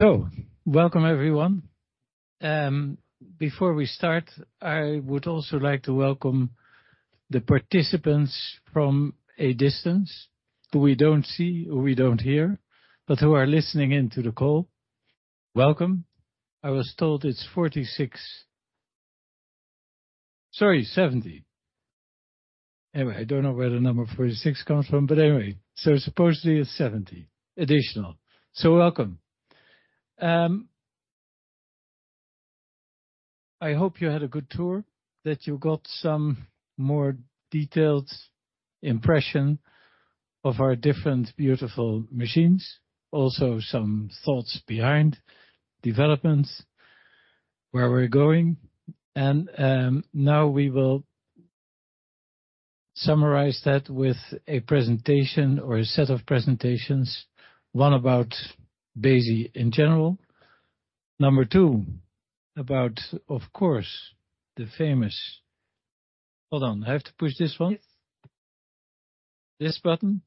So, welcome everyone. Before we start, I would also like to welcome the participants from a distance, who we don't see, who we don't hear, but who are listening in to the call. Welcome. I was told it's 46... Sorry, 70. Anyway, I don't know where the number 46 comes from, but anyway, so supposedly it's 70 additional. So welcome. I hope you had a good tour, that you got some more detailed impression of our different beautiful machines, also some thoughts behind developments, where we're going, and now we will summarize that with a presentation or a set of presentations. One about Besi in general. Number two, about, of course, the famous-- Hold on. I have to push this one? This button.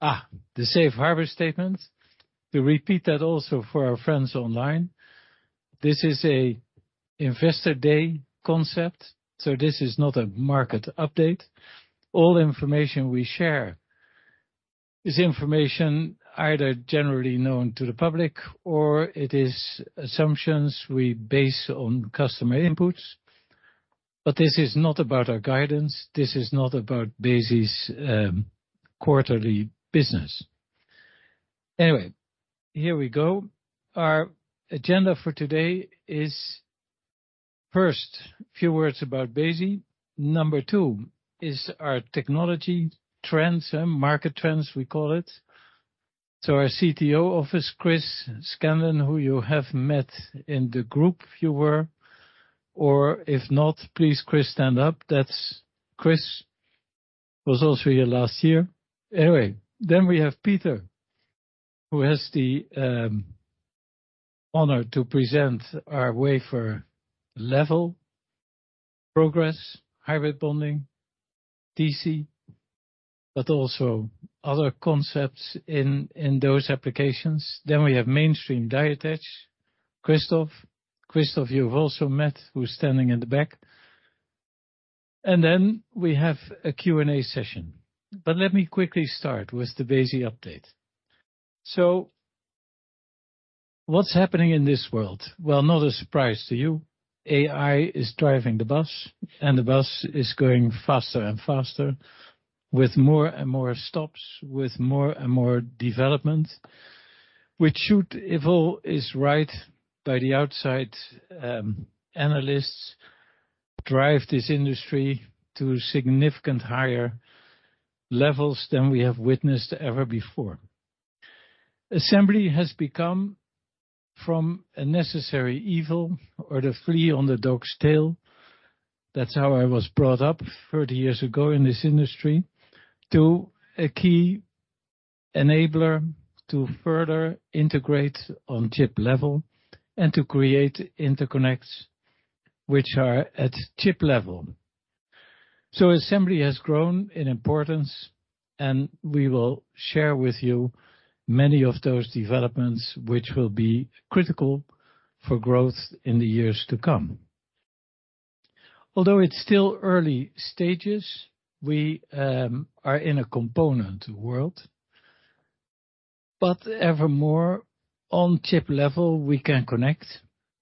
Ah, the Safe Harbor statement, to repeat that also for our friends online. This is an Investor Day concept, so this is not a market update. All information we share is information either generally known to the public, or it is assumptions we base on customer inputs. But this is not about our guidance; this is not about Besi's quarterly business. Anyway, here we go. Our agenda for today is, first, a few words about Besi. Number two is our technology trends, market trends, we call it. So our CTO office, Chris Scanlan, who you have met in the group, if you were, or if not, please, Chris, stand up. That's Chris; he was also here last year. Anyway, then we have Peter, who has the honor to present our wafer level progress, hybrid bonding, TC, but also other concepts in those applications. Then we have mainstream die attach. Christoph. Christoph, you've also met, who's standing in the back. And then we have a Q&A session. But let me quickly start with the Besi update. So what's happening in this world? Well, not a surprise to you. AI is driving the bus, and the bus is going faster and faster, with more and more stops, with more and more development, which should, if all is right by the outside, analysts, drive this industry to significant higher levels than we have witnessed ever before. Assembly has become from a necessary evil or the flea on the dog's tail, that's how I was brought up 30 years ago in this industry, to a key enabler to further integrate on chip level and to create interconnects which are at chip level. So assembly has grown in importance, and we will share with you many of those developments, which will be critical for growth in the years to come. Although it's still early stages, we are in a component world, but ever more on chip level, we can connect,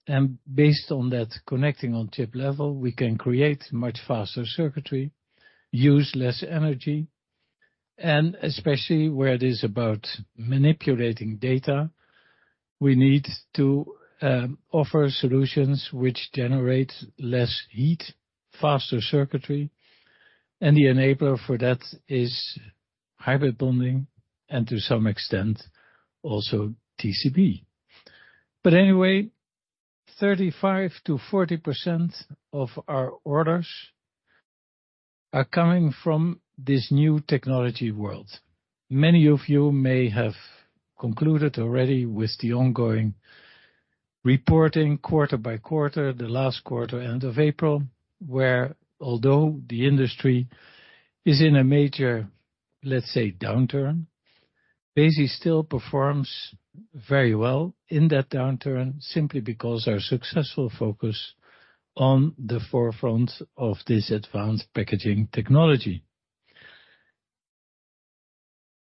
and based on that connecting on chip level, we can create much faster circuitry, use less energy, and especially where it is about manipulating data, we need to offer solutions which generate less heat, faster circuitry, and the enabler for that is hybrid bonding, and to some extent, also TCB. But anyway, 35%-40% of our orders are coming from this new technology world. Many of you may have concluded already with the ongoing reporting quarter by quarter, the last quarter, end of April, where although the industry is in a major, let's say, downturn, Besi still performs very well in that downturn simply because our successful focus on the forefront of this advanced packaging technology.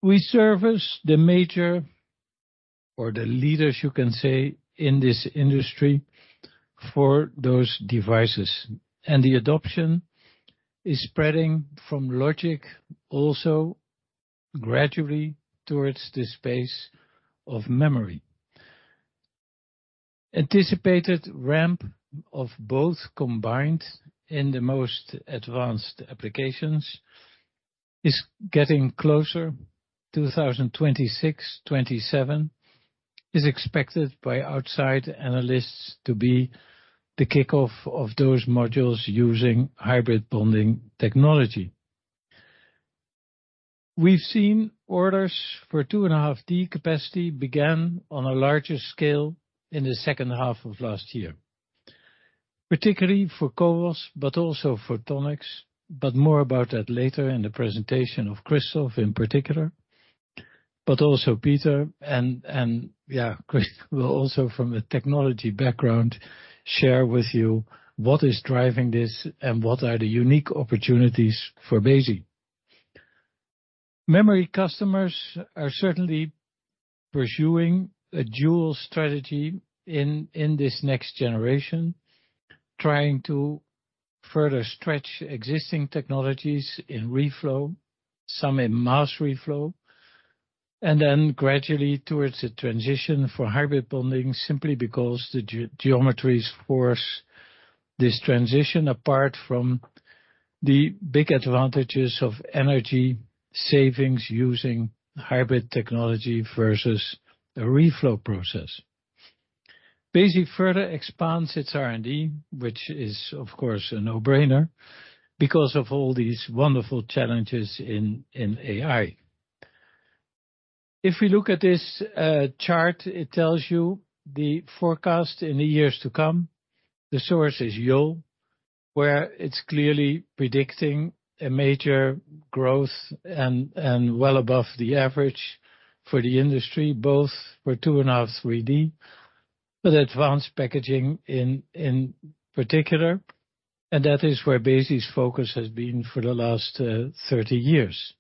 We service the major, or the leaders, you can say, in this industry for those devices, and the adoption is spreading from logic also gradually towards the space of memory. Anticipated ramp of both combined in the most advanced applications is getting closer. 2026, 2027 is expected by outside analysts to be the kickoff of those modules using hybrid bonding technology. We've seen orders for 2.5D capacity began on a larger scale in the second half of last year... particularly for CoWoS, but also photonics, but more about that later in the presentation of Christoph in particular. But also Peter and, and, yeah, Chris, will also from a technology background, share with you what is driving this and what are the unique opportunities for Besi. Memory customers are certainly pursuing a dual strategy in this next generation, trying to further stretch existing technologies in reflow, some in mass reflow, and then gradually towards the transition for hybrid bonding, simply because the geometries force this transition, apart from the big advantages of energy savings using hybrid technology versus a reflow process. Besi further expands its R&D, which is of course a no-brainer, because of all these wonderful challenges in AI. If we look at this chart, it tells you the forecast in the years to come. The source is Yole, where it's clearly predicting a major growth and well above the average for the industry, both for 2.5, 3D, but advanced packaging in particular, and that is where Besi's focus has been for the last 30 years.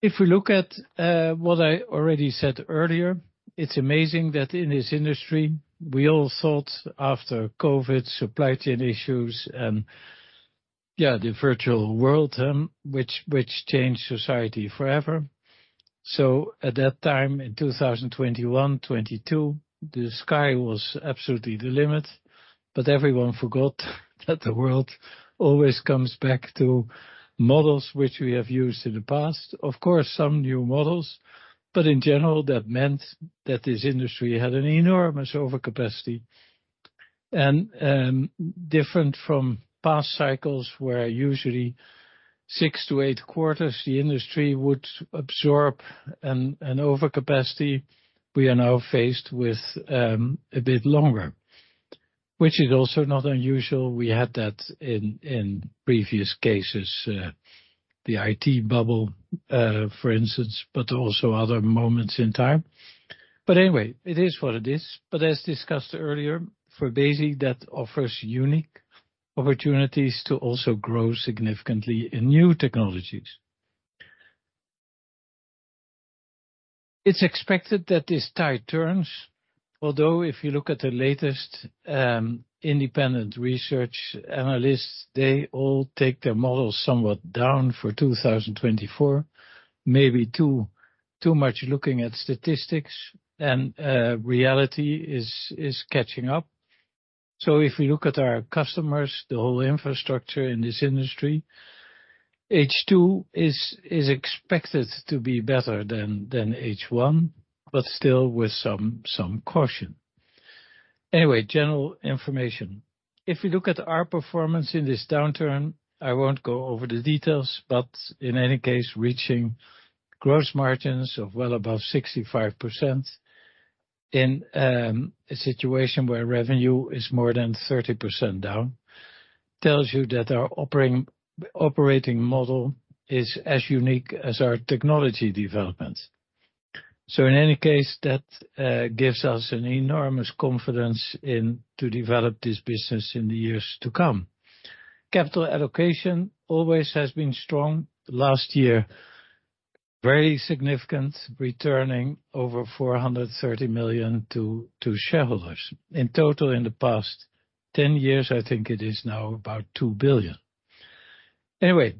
If we look at what I already said earlier, it's amazing that in this industry, we all thought after COVID, supply chain issues, and, yeah, the virtual world, which changed society forever. So at that time, in 2021, 2022, the sky was absolutely the limit, but everyone forgot that the world always comes back to models which we have used in the past. Of course, some new models, but in general, that meant that this industry had an enormous overcapacity. And different from past cycles, where usually six to eight quarters, the industry would absorb an overcapacity, we are now faced with a bit longer, which is also not unusual. We had that in previous cases, the IT bubble, for instance, but also other moments in time. But anyway, it is what it is. But as discussed earlier, for Besi, that offers unique opportunities to also grow significantly in new technologies. It's expected that this tide turns, although if you look at the latest independent research analysts, they all take their models somewhat down for 2024, maybe too much looking at statistics and reality is catching up. So if we look at our customers, the whole infrastructure in this industry, H2 is expected to be better than H1, but still with some caution. Anyway, general information. If we look at our performance in this downturn, I won't go over the details, but in any case, reaching gross margins of well above 65% in a situation where revenue is more than 30% down, tells you that our operating model is as unique as our technology development. So in any case, that gives us an enormous confidence in to develop this business in the years to come. Capital allocation always has been strong. Last year, very significant, returning over 430 million to shareholders. In total, in the past 10 years, I think it is now about 2 billion. Anyway,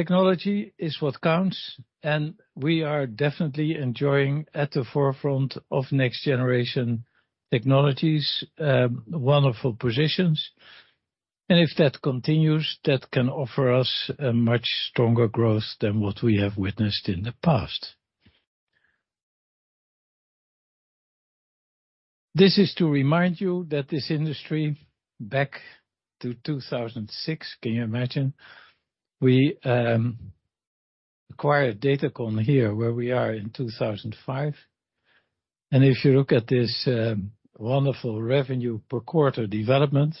technology is what counts, and we are definitely enjoying at the forefront of next generation technologies, wonderful positions. If that continues, that can offer us a much stronger growth than what we have witnessed in the past. This is to remind you that this industry, back to 2006, can you imagine? We acquired Datacon here, where we are in 2005, and if you look at this wonderful revenue per quarter development,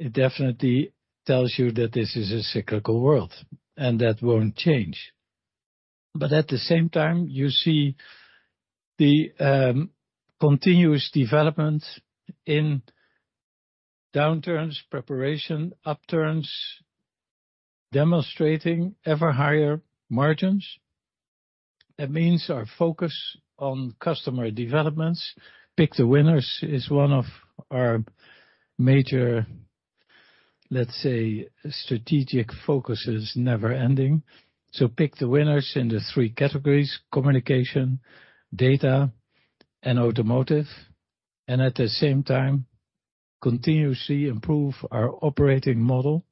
it definitely tells you that this is a cyclical world, and that won't change. But at the same time, you see the continuous development in downturns, preparation, upturns, demonstrating ever higher margins. That means our focus on customer developments. Pick the winners is one of our major, let's say, strategic focus is never ending. So pick the winners in the three categories: communication, data, and automotive, and at the same time, continuously improve our operating model.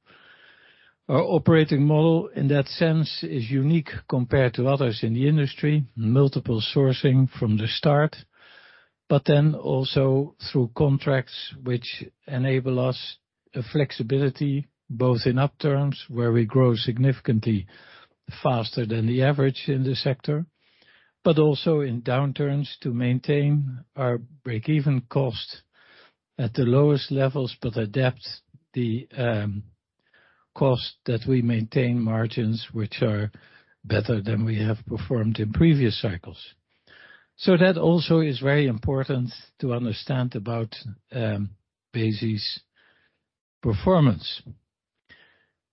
Our operating model, in that sense, is unique compared to others in the industry, multiple sourcing from the start, but then also through contracts which enable us a flexibility, both in up terms, where we grow significantly faster than the average in the sector, but also in downturns to maintain our break-even cost at the lowest levels, but adapt the cost that we maintain margins which are better than we have performed in previous cycles. So that also is very important to understand about Besi's performance.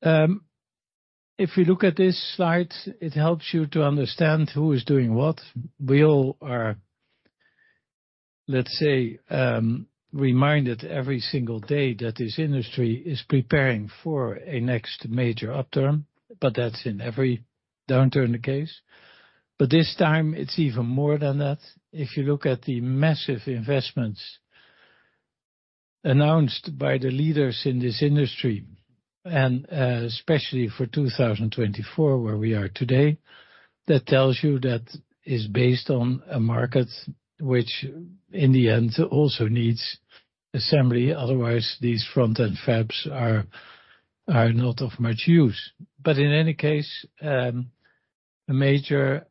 If you look at this slide, it helps you to understand who is doing what. We all are, let's say, reminded every single day that this industry is preparing for a next major upturn, but that's in every downturn the case. But this time it's even more than that. If you look at the massive investments announced by the leaders in this industry, and, especially for 2024, where we are today, that tells you that is based on a market which in the end, also needs assembly. Otherwise, these front-end fabs are not of much use. But in any case, a major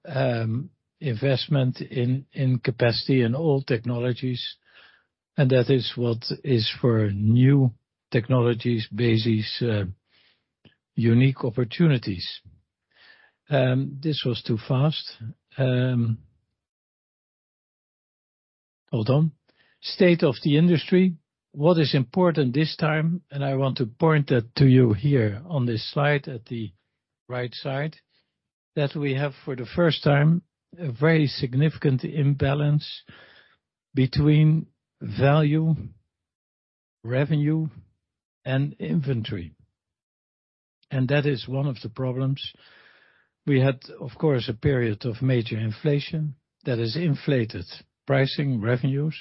investment in capacity in all technologies, and that is what is for new technologies, Besi's unique opportunities. This was too fast. Hold on. State of the industry, what is important this time, and I want to point that to you here on this slide, at the right side, that we have, for the first time, a very significant imbalance between value, revenue, and inventory. That is one of the problems. We had, of course, a period of major inflation that has inflated pricing revenues,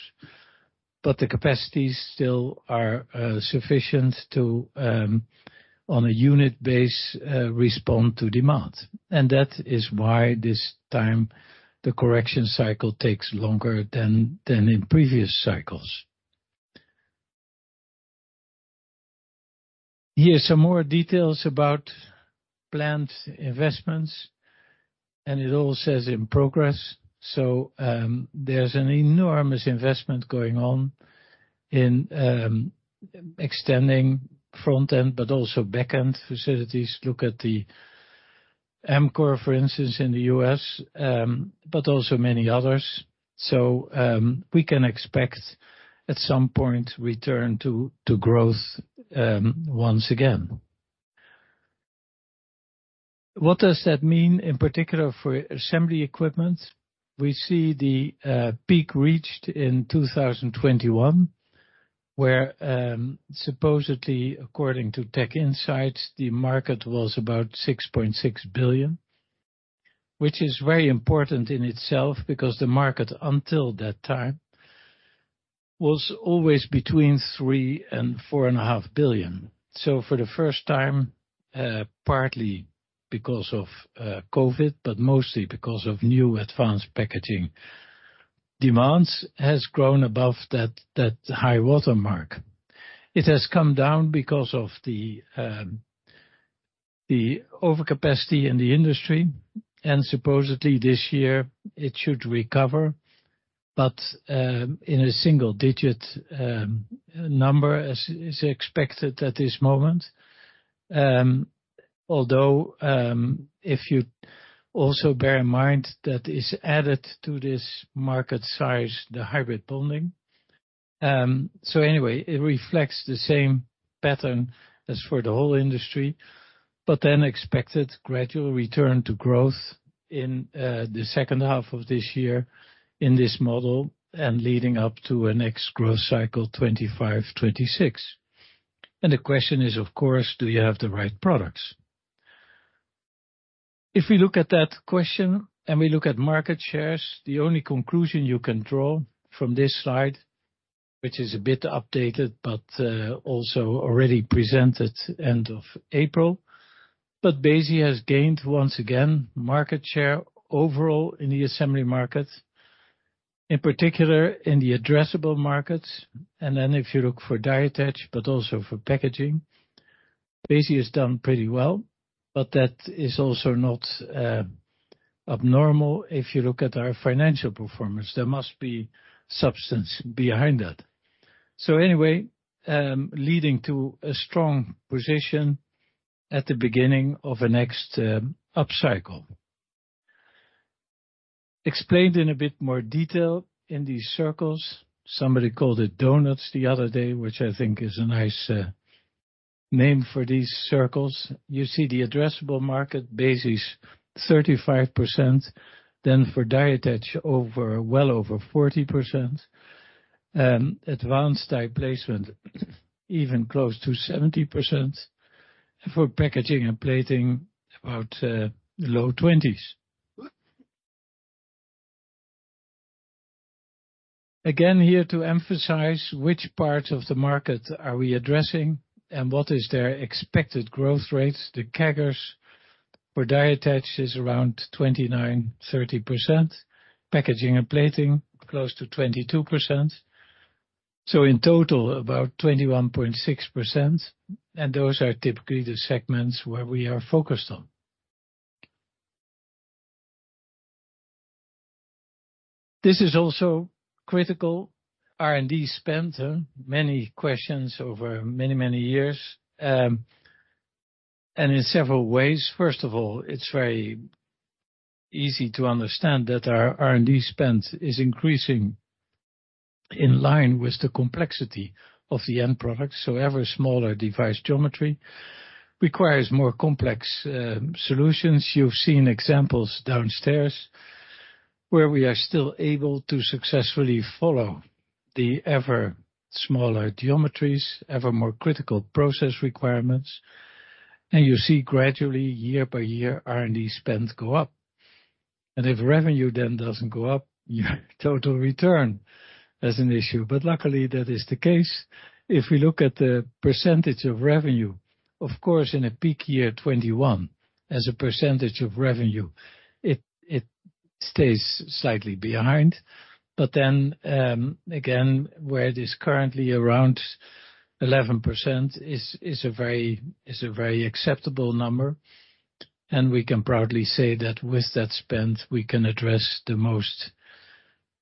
but the capacities still are sufficient to, on a unit basis, respond to demand. That is why this time the correction cycle takes longer than in previous cycles. Here are some more details about planned investments, and it's all in progress. There's an enormous investment going on in extending front-end, but also back-end facilities. Look at the Amkor, for instance, in the U.S., but also many others. We can expect, at some point, return to growth once again. What does that mean, in particular for assembly equipment? We see the peak reached in 2021, where, supposedly, according to TechInsights, the market was about $6.6 billion, which is very important in itself, because the market until that time was always between $3 billion and $4.5 billion. So for the first time, partly because of, COVID, but mostly because of new advanced packaging, demands has grown above that, that high water mark. It has come down because of the, the overcapacity in the industry, and supposedly this year it should recover, but, in a single digit, number, as is expected at this moment. Although, if you also bear in mind that is added to this market size, the hybrid bonding. So anyway, it reflects the same pattern as for the whole industry, but then expected gradual return to growth in the second half of this year in this model, and leading up to a next growth cycle, 2025, 2026. The question is, of course, do you have the right products? If we look at that question and we look at market shares, the only conclusion you can draw from this slide, which is a bit updated, but also already presented end of April. Besi has gained, once again, market share overall in the assembly market, in particular in the addressable markets. Then if you look for die attach, but also for packaging, Besi has done pretty well, but that is also not abnormal if you look at our financial performance. There must be substance behind that. So anyway, leading to a strong position at the beginning of a next, upcycle. Explained in a bit more detail in these circles, somebody called it donuts the other day, which I think is a nice, name for these circles. You see the addressable market basis, 35%, then for die attach over, well over 40%, advanced die placement, even close to 70%, and for packaging and plating, about, low 20s. Again, here to emphasize which parts of the market are we addressing and what is their expected growth rate, the CAGRs? For die attach is around 29%-30%. Packaging and plating, close to 22%. So in total, about 21.6%, and those are typically the segments where we are focused on. This is also critical. R&D spent many questions over many, many years, and in several ways. First of all, it's very easy to understand that our R&D spend is increasing in line with the complexity of the end product. So every smaller device geometry requires more complex solutions. You've seen examples downstairs, where we are still able to successfully follow the ever smaller geometries, ever more critical process requirements, and you see gradually, year by year, R&D spends go up. And if revenue then doesn't go up, your total return is an issue. But luckily, that is the case. If we look at the percentage of revenue, of course, in a peak year, 2021, as a percentage of revenue, it stays slightly behind. But then, again, where it is currently around 11% is a very acceptable number, and we can proudly say that with that spend, we can address the most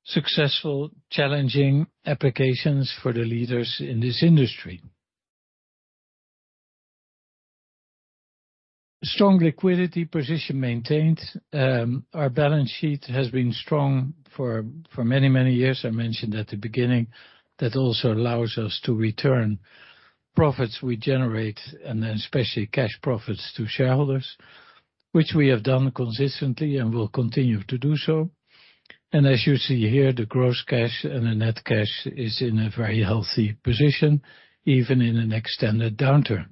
successful, challenging applications for the leaders in this industry. Strong liquidity position maintained. Our balance sheet has been strong for many years. I mentioned at the beginning, that also allows us to return profits we generate, and then especially cash profits, to shareholders, which we have done consistently and will continue to do so. And as you see here, the gross cash and the net cash is in a very healthy position, even in an extended downturn.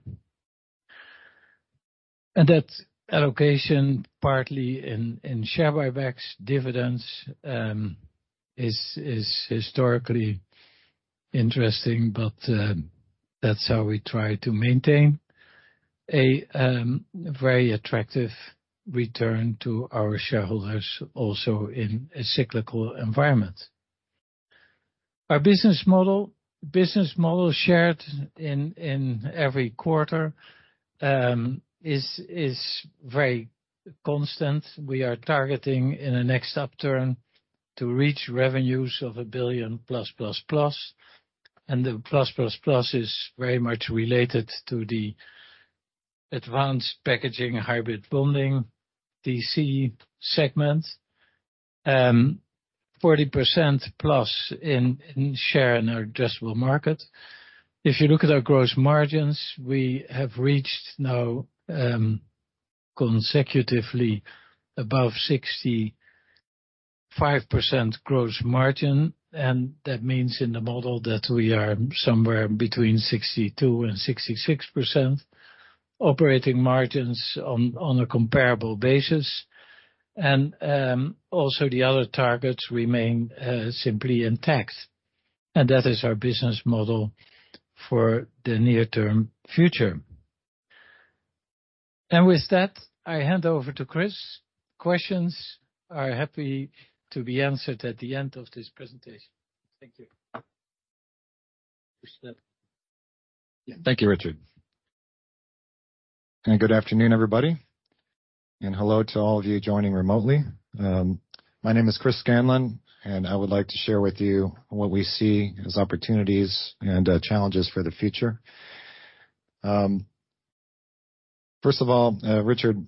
And that allocation, partly in share buybacks, dividends, is historically interesting, but that's how we try to maintain a very attractive return to our shareholders, also in a cyclical environment. Our business model, business model shared in, in every quarter, is, is very constant. We are targeting in the next upturn to reach revenues of 1 billion plus, plus, plus. And the plus, plus, plus is very much related to the advanced packaging, hybrid bonding, TC segment. 40%+ in, in share in our addressable market. If you look at our gross margins, we have reached now, consecutively above 65% gross margin, and that means in the model that we are somewhere between 62%-66% operating margins on, on a comparable basis. And, also, the other targets remain, simply intact, and that is our business model for the near-term future. And with that, I hand over to Chris. Questions are happy to be answered at the end of this presentation. Thank you. Thank you, Richard. And good afternoon, everybody, and hello to all of you joining remotely. My name is Chris Scanlan, and I would like to share with you what we see as opportunities and, challenges for the future. First of all, Richard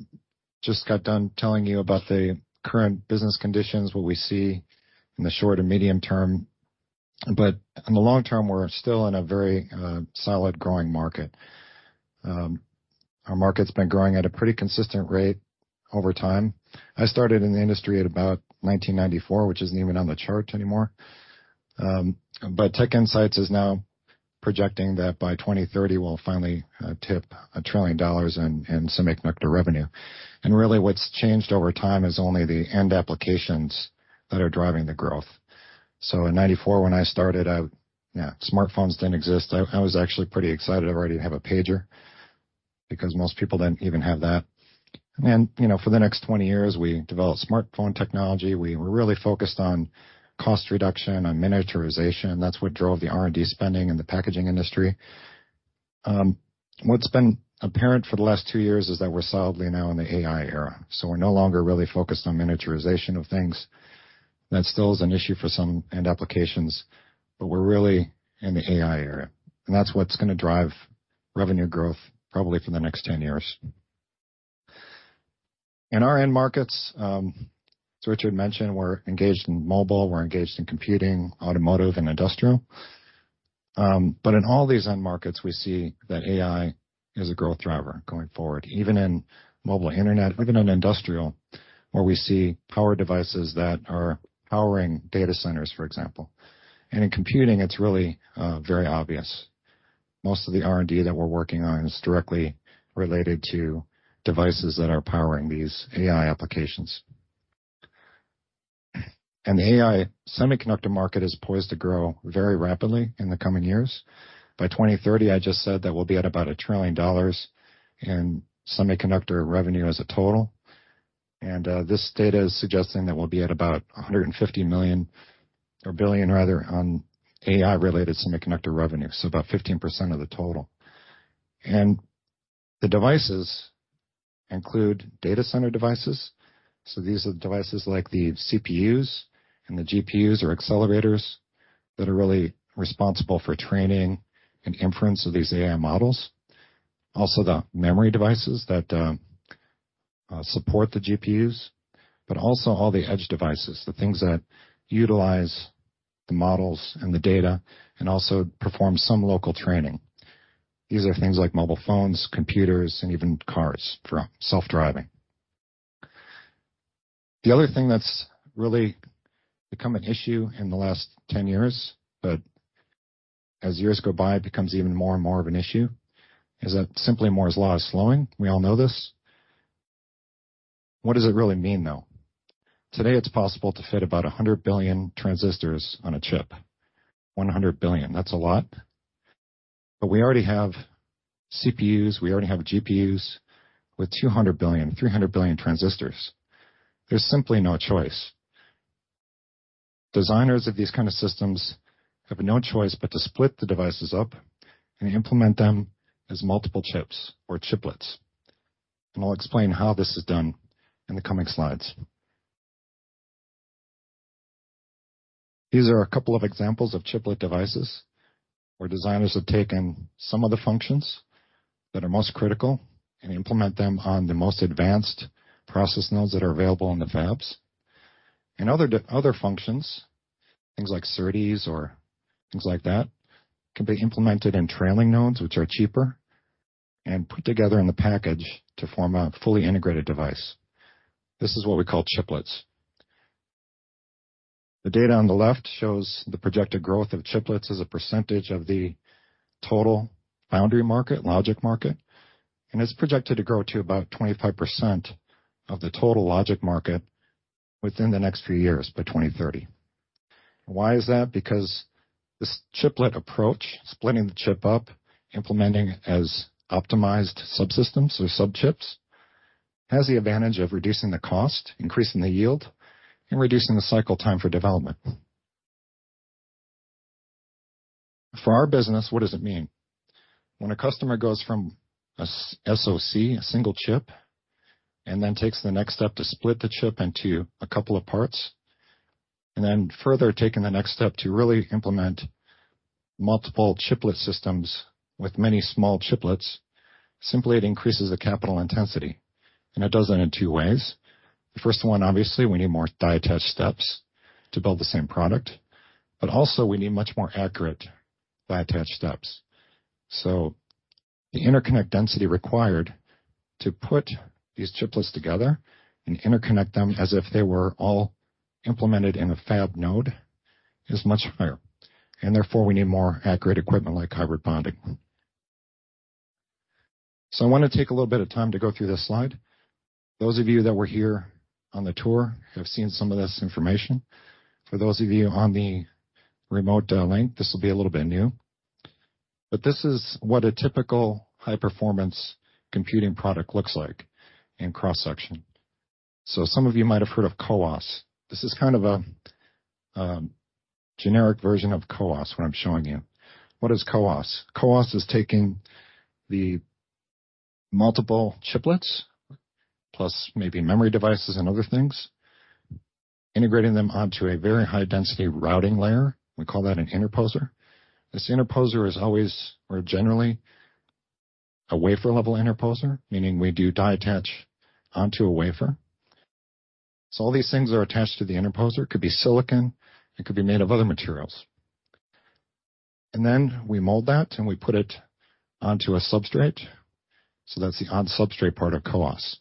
just got done telling you about the current business conditions, what we see in the short and medium term, but in the long term, we're still in a very, solid growing market. Our market's been growing at a pretty consistent rate over time. I started in the industry at about 1994, which isn't even on the chart anymore. But TechInsights is now projecting that by 2030, we'll finally, tip $1 trillion in semiconductor revenue. And really, what's changed over time is only the end applications that are driving the growth. So in 1994, when I started out, yeah, smartphones didn't exist. I, I was actually pretty excited I already have a pager, because most people didn't even have that. And, you know, for the next 20 years, we developed smartphone technology. We were really focused on cost reduction, on miniaturization. That's what drove the R&D spending in the packaging industry. What's been apparent for the last two years is that we're solidly now in the AI era, so we're no longer really focused on miniaturization of things. That still is an issue for some end applications, but we're really in the AI era, and that's what's gonna drive revenue growth probably for the next 10 years. In our end markets, as Richard mentioned, we're engaged in mobile, we're engaged in computing, automotive, and industrial. But in all these end markets, we see that AI is a growth driver going forward, even in mobile internet, even in industrial, where we see power devices that are powering data centers, for example. In computing, it's really very obvious. Most of the R&D that we're working on is directly related to devices that are powering these AI applications.... And the AI semiconductor market is poised to grow very rapidly in the coming years. By 2030, I just said that we'll be at about $1 trillion in semiconductor revenue as a total. And this data is suggesting that we'll be at about $150 billion on AI-related semiconductor revenue, so about 15% of the total. And the devices include data center devices. So these are the devices like the CPUs and the GPUs or accelerators that are really responsible for training and inference of these AI models. Also, the memory devices that support the GPUs, but also all the edge devices, the things that utilize the models and the data, and also perform some local training. These are things like mobile phones, computers, and even cars for self-driving. The other thing that's really become an issue in the last 10 years, but as years go by, it becomes even more and more of an issue, is that simply Moore's Law is slowing. We all know this. What does it really mean, though? Today, it's possible to fit about 100 billion transistors on a chip. 100 billion. That's a lot, but we already have CPUs, we already have GPUs with 200 billion, 300 billion transistors. There's simply no choice. Designers of these kind of systems have no choice but to split the devices up and implement them as multiple chips or chiplets. And I'll explain how this is done in the coming slides. These are a couple of examples of chiplet devices, where designers have taken some of the functions that are most critical and implement them on the most advanced process nodes that are available in the fabs. And other functions, things like SerDes or things like that, can be implemented in trailing nodes, which are cheaper, and put together in the package to form a fully integrated device. This is what we call chiplets. The data on the left shows the projected growth of chiplets as a percentage of the total foundry market, logic market, and it's projected to grow to about 25% of the total logic market within the next few years, by 2030. Why is that? Because this chiplet approach, splitting the chip up, implementing it as optimized subsystems or subchips, has the advantage of reducing the cost, increasing the yield, and reducing the cycle time for development. For our business, what does it mean? When a customer goes from an SoC, a single chip, and then takes the next step to split the chip into a couple of parts, and then further taking the next step to really implement multiple chiplet systems with many small chiplets, simply it increases the capital intensity, and it does that in two ways. The first one, obviously, we need more die attach steps to build the same product, but also we need much more accurate die attach steps. So the interconnect density required to put these chiplets together and interconnect them as if they were all implemented in a fab node is much higher, and therefore, we need more accurate equipment, like hybrid bonding. So I want to take a little bit of time to go through this slide. Those of you that were here on the tour have seen some of this information. For those of you on the remote link, this will be a little bit new, but this is what a typical high-performance computing product looks like in cross-section. So some of you might have heard of CoWoS. This is kind of a generic version of CoWoS, what I'm showing you. What is CoWoS? CoWoS is taking the multiple chiplets, plus maybe memory devices and other things, integrating them onto a very high-density routing layer. We call that an interposer. This interposer is always or generally a wafer-level interposer, meaning we do die attach onto a wafer. So all these things are attached to the interposer, could be silicon, and could be made of other materials. And then we mold that, and we put it onto a substrate, so that's the on-substrate part of CoWoS.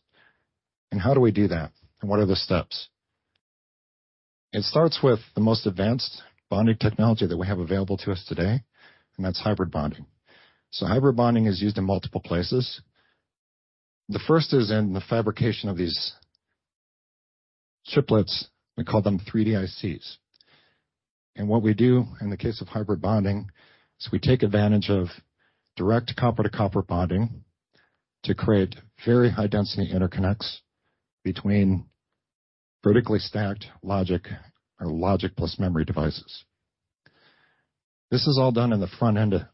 And how do we do that, and what are the steps? It starts with the most advanced bonding technology that we have available to us today, and that's hybrid bonding. So hybrid bonding is used in multiple places. The first is in the fabrication of these chiplets. We call them 3D ICs. And what we do in the case of hybrid bonding is we take advantage of direct copper to copper bonding to create very high density interconnects between vertically stacked logic or logic plus memory devices. This is all done in the front-end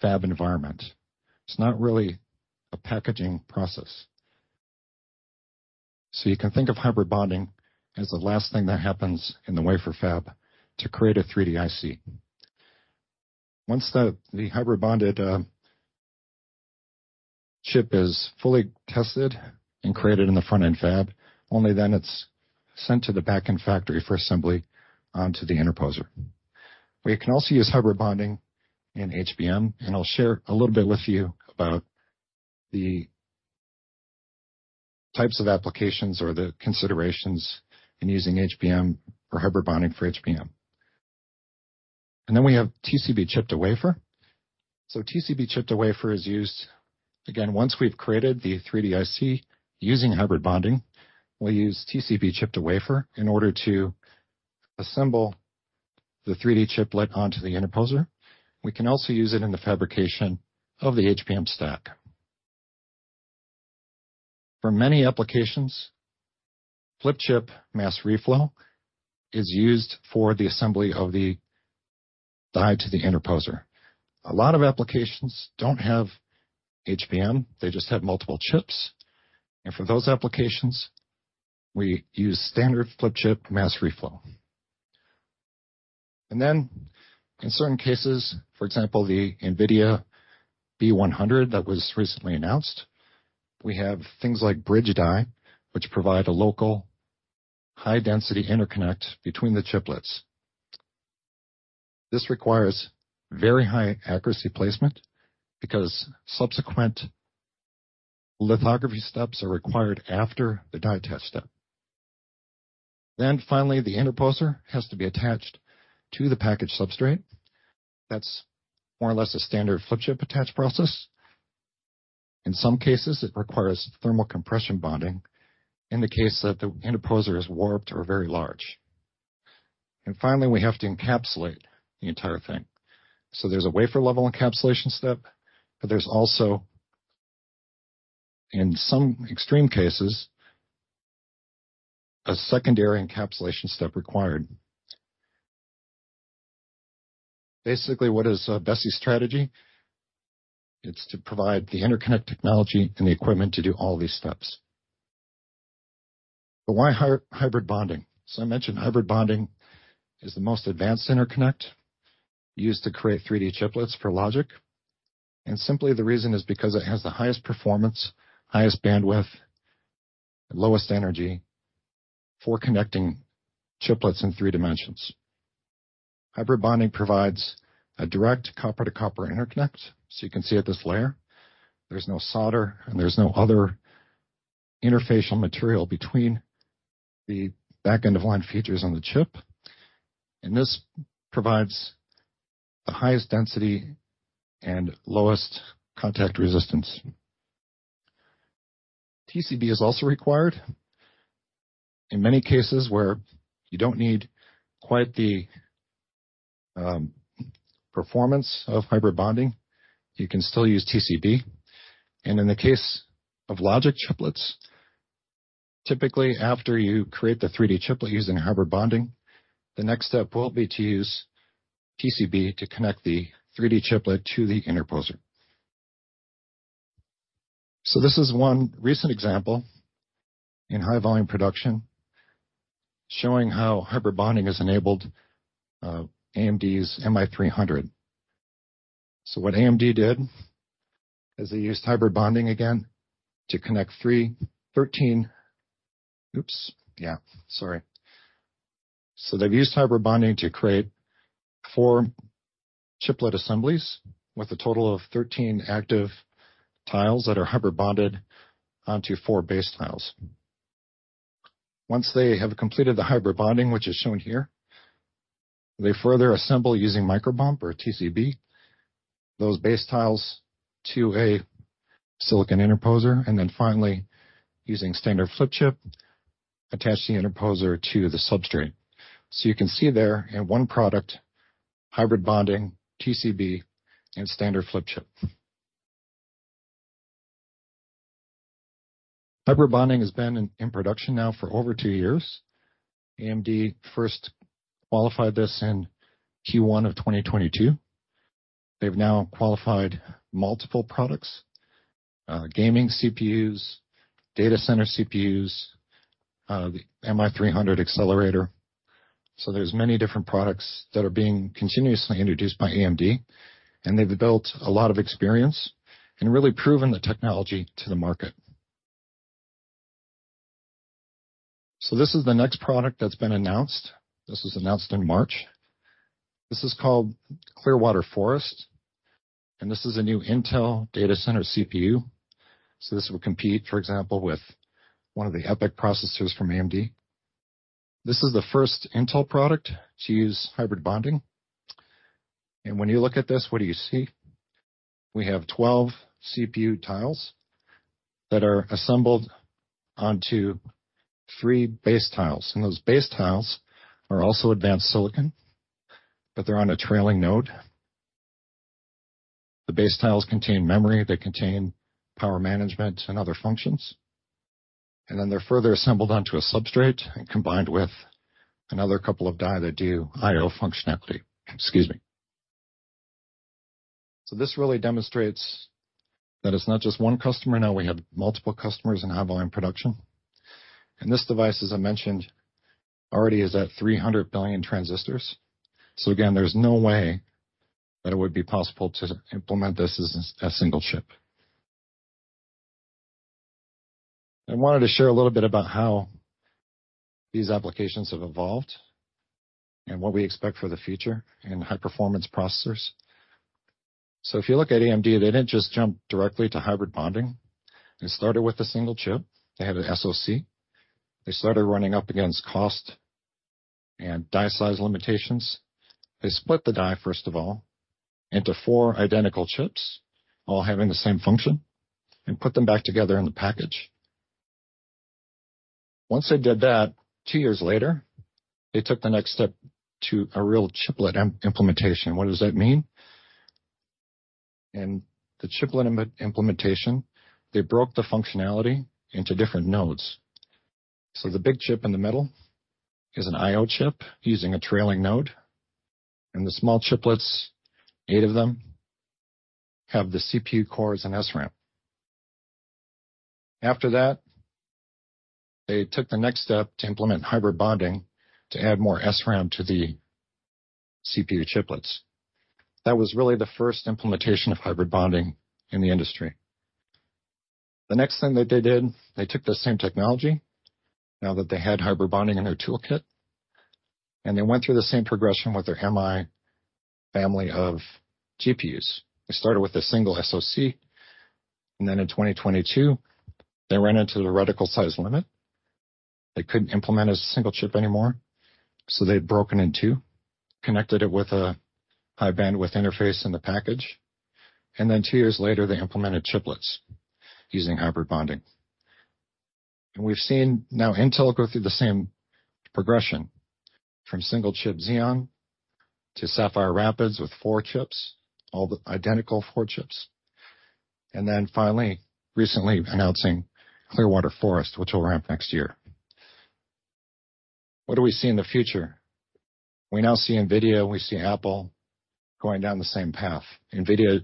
fab environment. It's not really a packaging process. So you can think of hybrid bonding as the last thing that happens in the wafer fab to create a 3D IC. Once the hybrid bonded chip is fully tested and created in the front-end fab, only then it's sent to the back-end factory for assembly onto the interposer. We can also use hybrid bonding in HBM, and I'll share a little bit with you about the types of applications or the considerations in using HBM or hybrid bonding for HBM. And then we have TCB chip to wafer. TCB chip to wafer is used, again, once we've created the 3D IC using hybrid bonding, we'll use TCB chip to wafer in order to assemble the 3D chiplet onto the interposer. We can also use it in the fabrication of the HBM stack. For many applications, flip chip mass reflow is used for the assembly of the die to the interposer. A lot of applications don't have HBM, they just have multiple chips, and for those applications, we use standard flip chip mass reflow. In certain cases, for example, the NVIDIA B100 that was recently announced, we have things like bridge die, which provide a local high density interconnect between the chiplets. This requires very high accuracy placement because subsequent lithography steps are required after the die test step. The interposer has to be attached to the package substrate. That's more or less a standard flip chip attach process. In some cases, it requires thermal compression bonding, in the case that the interposer is warped or very large. And finally, we have to encapsulate the entire thing. So there's a wafer-level encapsulation step, but there's also, in some extreme cases, a secondary encapsulation step required. Basically, what is Besi's strategy? It's to provide the interconnect technology and the equipment to do all these steps. But why hybrid bonding? So I mentioned hybrid bonding is the most advanced interconnect used to create 3D chiplets for logic, and simply the reason is because it has the highest performance, highest bandwidth, and lowest energy for connecting chiplets in three dimensions. Hybrid bonding provides a direct copper-to-copper interconnect, so you can see at this layer there's no solder and there's no other interfacial material between the back end of line features on the chip, and this provides the highest density and lowest contact resistance. TCB is also required. In many cases where you don't need quite the performance of hybrid bonding, you can still use TCB, and in the case of logic chiplets, typically after you create the 3D chiplet using hybrid bonding, the next step will be to use TCB to connect the 3D chiplet to the interposer. So this is one recent example in high volume production, showing how hybrid bonding has enabled AMD's MI300. So what AMD did is they used hybrid bonding again to connect three thirteen... Oops! Yeah, sorry. So they've used hybrid bonding to create four chiplet assemblies, with a total of 13 active tiles that are hybrid bonded onto four base tiles. Once they have completed the hybrid bonding, which is shown here, they further assemble using micro bump or TCB, those base tiles to a silicon interposer, and then finally, using standard flip chip, attach the interposer to the substrate. So you can see there in one product: hybrid bonding, TCB, and standard flip chip. Hybrid bonding has been in production now for over two years. AMD first qualified this in Q1 of 2022. They've now qualified multiple products, gaming CPUs, data center CPUs, the MI300 accelerator. So there's many different products that are being continuously introduced by AMD, and they've built a lot of experience and really proven the technology to the market. So this is the next product that's been announced. This was announced in March. This is called Clearwater Forest, and this is a new Intel data center CPU. So this will compete, for example, with one of the EPYC processors from AMD. This is the first Intel product to use hybrid bonding. And when you look at this, what do you see? We have 12 CPU tiles that are assembled onto three base tiles, and those base tiles are also advanced silicon, but they're on a trailing node. The base tiles contain memory, they contain power management and other functions, and then they're further assembled onto a substrate and combined with another couple of die that do IO functionality. Excuse me. So this really demonstrates that it's not just one customer; now we have multiple customers in high-volume production, and this device, as I mentioned, already is at 300 billion transistors. So again, there's no way that it would be possible to implement this as a single chip. I wanted to share a little bit about how these applications have evolved and what we expect for the future in high-performance processors. So if you look at AMD, they didn't just jump directly to hybrid bonding. They started with a single chip. They had a SoC. They started running up against cost and die size limitations. They split the die, first of all, into four identical chips, all having the same function, and put them back together in the package. Once they did that, two years later, they took the next step to a real chiplet implementation. What does that mean? In the chiplet implementation, they broke the functionality into different nodes. So the big chip in the middle is an IO chip using a trailing node, and the small chiplets, eight of them, have the CPU cores and SRAM. After that, they took the next step to implement hybrid bonding to add more SRAM to the CPU chiplets. That was really the first implementation of hybrid bonding in the industry. The next thing that they did, they took the same technology, now that they had hybrid bonding in their toolkit, and they went through the same progression with their MI family of GPUs. They started with a single SOC, and then in 2022, they ran into the reticle size limit. They couldn't implement a single chip anymore, so they'd broken in two, connected it with a high bandwidth interface in the package, and then two years later, they implemented chiplets using hybrid bonding. We've now seen Intel go through the same progression, from single-chip Xeon to Sapphire Rapids with four chips, all the identical four chips, and then finally, recently announcing Clearwater Forest, which will ramp next year. What do we see in the future? We now see NVIDIA, we see Apple going down the same path. NVIDIA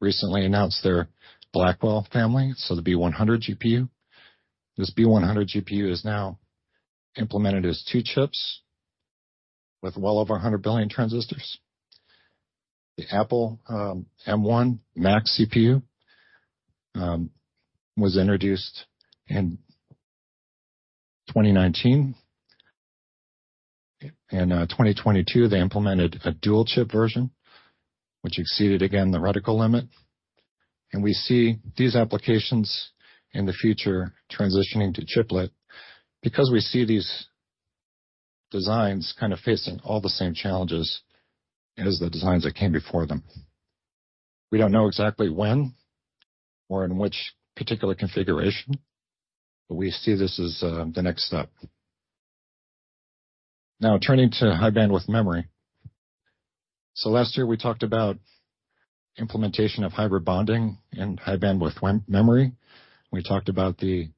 recently announced their Blackwell family, so the B100 GPU. This B100 GPU is now implemented as two chips with well over 100 billion transistors. The Apple M1 Max CPU was introduced in 2019. In 2022, they implemented a dual-chip version, which exceeded again, the reticle limit. We see these applications in the future transitioning to chiplet, because we see these designs kind of facing all the same challenges as the designs that came before them. We don't know exactly when or in which particular configuration, but we see this as the next step. Now turning to high bandwidth memory. Last year we talked about implementation of hybrid bonding and high bandwidth memory. We talked about the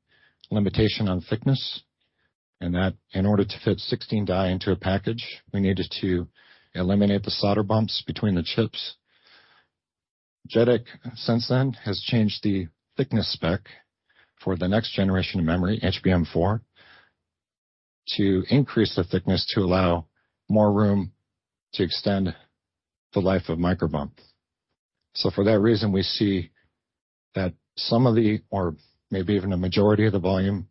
limitation on thickness, and that in order to fit 16 die into a package, we needed to eliminate the solder bumps between the chips. JEDEC, since then, has changed the thickness spec for the next generation of memory, HBM4, to increase the thickness to allow more room to extend the life of micro bump. So for that reason, we see that some of the... Or maybe even a majority of the volume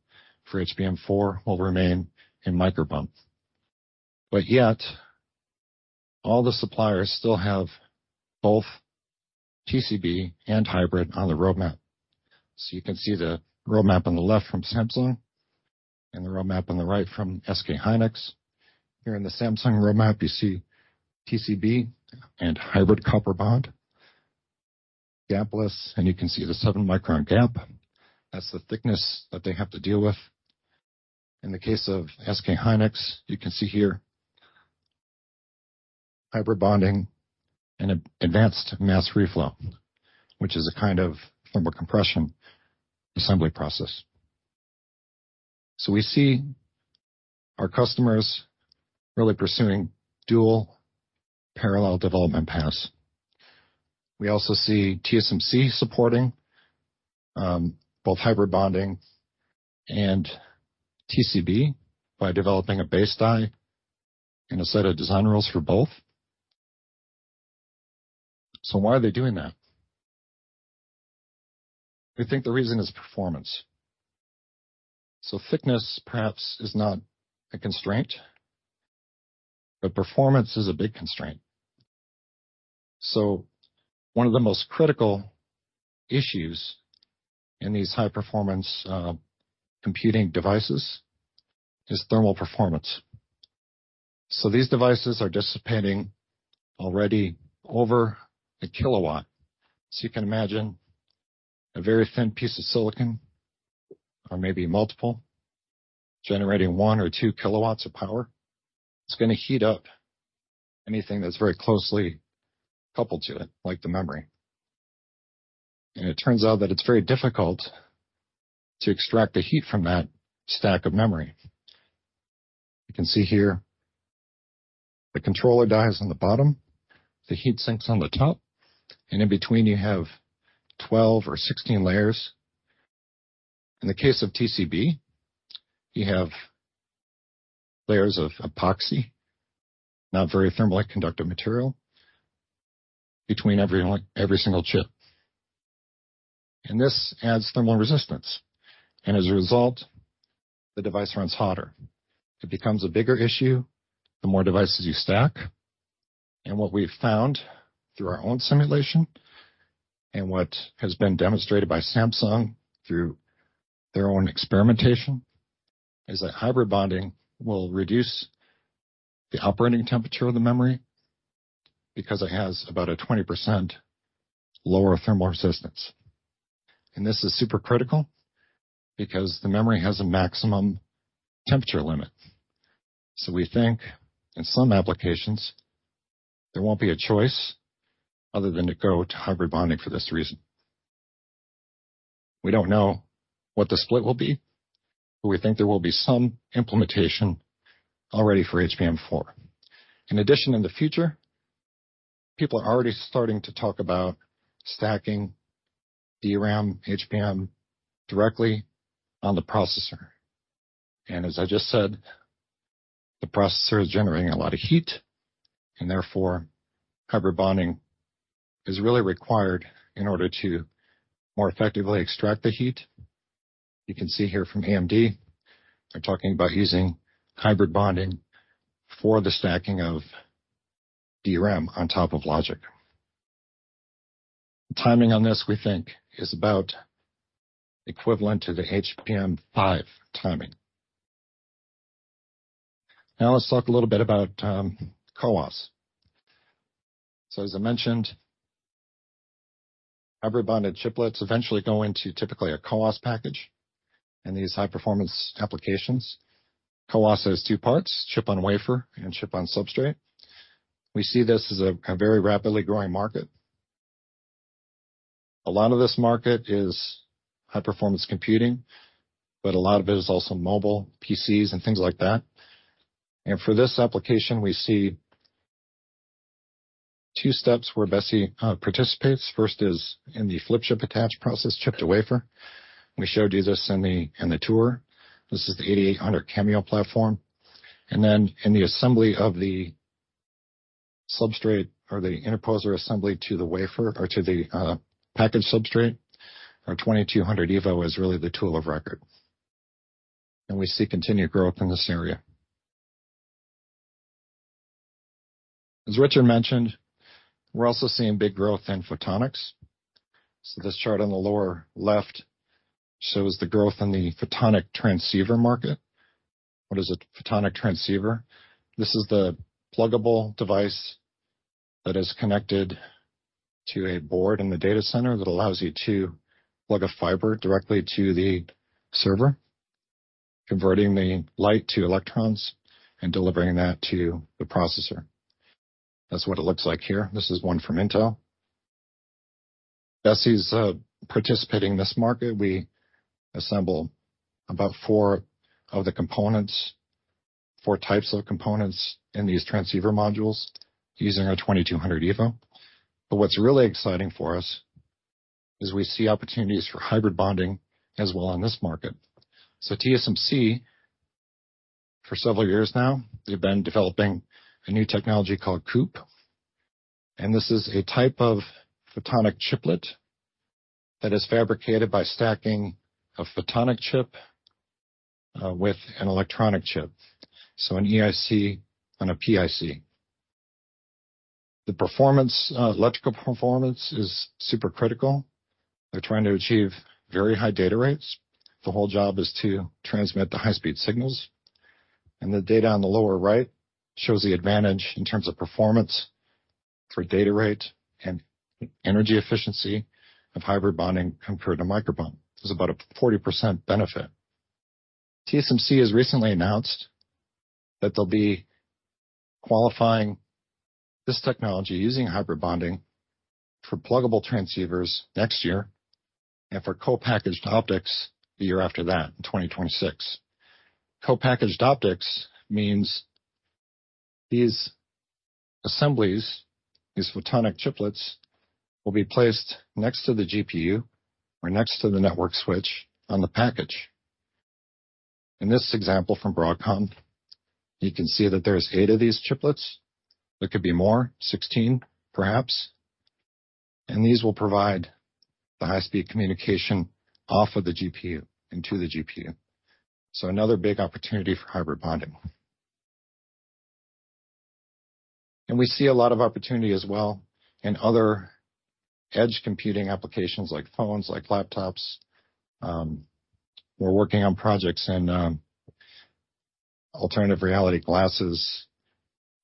for HBM4 will remain in micro bump. But yet, all the suppliers still have both TCB and hybrid on the roadmap. So you can see the roadmap on the left from Samsung and the roadmap on the right from SK hynix. Here in the Samsung roadmap, you see TCB and hybrid copper bond, gapless, and you can see the 7-micron gap. That's the thickness that they have to deal with. In the case of SK hynix, you can see here, hybrid bonding and an advanced mass reflow, which is a kind of thermal compression assembly process. So we see our customers really pursuing dual parallel development paths. We also see TSMC supporting both hybrid bonding and TCB by developing a base die and a set of design rules for both. So why are they doing that? We think the reason is performance. So thickness perhaps is not a constraint, but performance is a big constraint. So one of the most critical issues in these high performance, computing devices, is thermal performance. So these devices are dissipating already over 1 kilowatt. So you can imagine a very thin piece of silicon, or maybe multiple, generating 1 kW or 2 kW of power. It's gonna heat up anything that's very closely coupled to it, like the memory. And it turns out that it's very difficult to extract the heat from that stack of memory. You can see here the controller die is on the bottom, the heat sinks on the top, and in between, you have 12 or 16 layers. In the case of TCB, you have layers of epoxy, not very thermally conductive material, between every one, every single chip. This adds thermal resistance, and as a result, the device runs hotter. It becomes a bigger issue the more devices you stack. What we've found through our own simulation, and what has been demonstrated by Samsung through their own experimentation, is that hybrid bonding will reduce the operating temperature of the memory because it has about a 20% lower thermal resistance. This is super critical because the memory has a maximum temperature limit. So we think in some applications, there won't be a choice other than to go to hybrid bonding for this reason. We don't know what the split will be, but we think there will be some implementation already for HBM4. In addition, in the future, people are already starting to talk about stacking DRAM HBM directly on the processor, and as I just said, the processor is generating a lot of heat, and therefore, hybrid bonding is really required in order to more effectively extract the heat. You can see here from AMD, they're talking about using hybrid bonding for the stacking of DRAM on top of logic. Timing on this, we think, is about equivalent to the HBM5 timing. Now, let's talk a little bit about CoWoS. So, as I mentioned, hybrid bonded chiplets eventually go into typically a CoWoS package, and these high performance applications. CoWoS has two parts, chip on wafer and chip on substrate. We see this as a very rapidly growing market. A lot of this market is high performance computing, but a lot of it is also mobile, PCs, and things like that. And for this application, we see two steps where BESI participates. First is in the flip chip attach process, chip to wafer. We showed you this in the tour. This is the 8800 Chameo platform, and then in the assembly of the substrate or the interposer assembly to the wafer or to the package substrate, our 2200 Evo is really the tool of record, and we see continued growth in this area. As Richard mentioned, we're also seeing big growth in photonics. So this chart on the lower left shows the growth in the photonic transceiver market. What is a photonic transceiver? This is the pluggable device that is connected to a board in the data center that allows you to plug a fiber directly to the server, converting the light to electrons and delivering that to the processor. That's what it looks like here. This is one from Intel. Besi's participating in this market. We assemble about four of the components, four types of components in these transceiver modules using our 2200 Evo. But what's really exciting for us is we see opportunities for hybrid bonding as well in this market. So TSMC, for several years now, they've been developing a new technology called COUPE, and this is a type of photonic chiplet that is fabricated by stacking a photonic chip with an electronic chip, so an EIC and a PIC. The performance, electrical performance is super critical. They're trying to achieve very high data rates. The whole job is to transmit the high-speed signals, and the data on the lower right shows the advantage in terms of performance for data rate and energy efficiency of hybrid bonding compared to microbump. There's about a 40% benefit. TSMC has recently announced that they'll be qualifying this technology using hybrid bonding for pluggable transceivers next year and for co-packaged optics the year after that, in 2026. Co-packaged optics means these assemblies, these photonic chiplets, will be placed next to the GPU or next to the network switch on the package. In this example from Broadcom, you can see that there's eight of these chiplets. There could be more, 16, perhaps, and these will provide the high-speed communication off of the GPU and to the GPU. So another big opportunity for hybrid bonding. We see a lot of opportunity as well in other edge computing applications, like phones, like laptops. We're working on projects in, alternative reality glasses,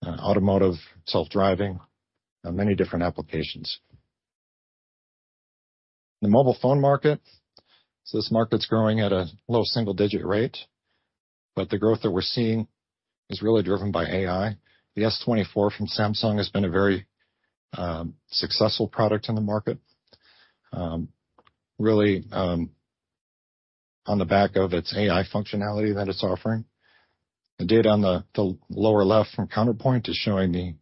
automotive, self-driving, many different applications. The mobile phone market. So this market's growing at a low single-digit rate, but the growth that we're seeing is really driven by AI. The S24 from Samsung has been a very, successful product in the market, really, on the back of its AI functionality that it's offering. The data on the lower left from Counterpoint is showing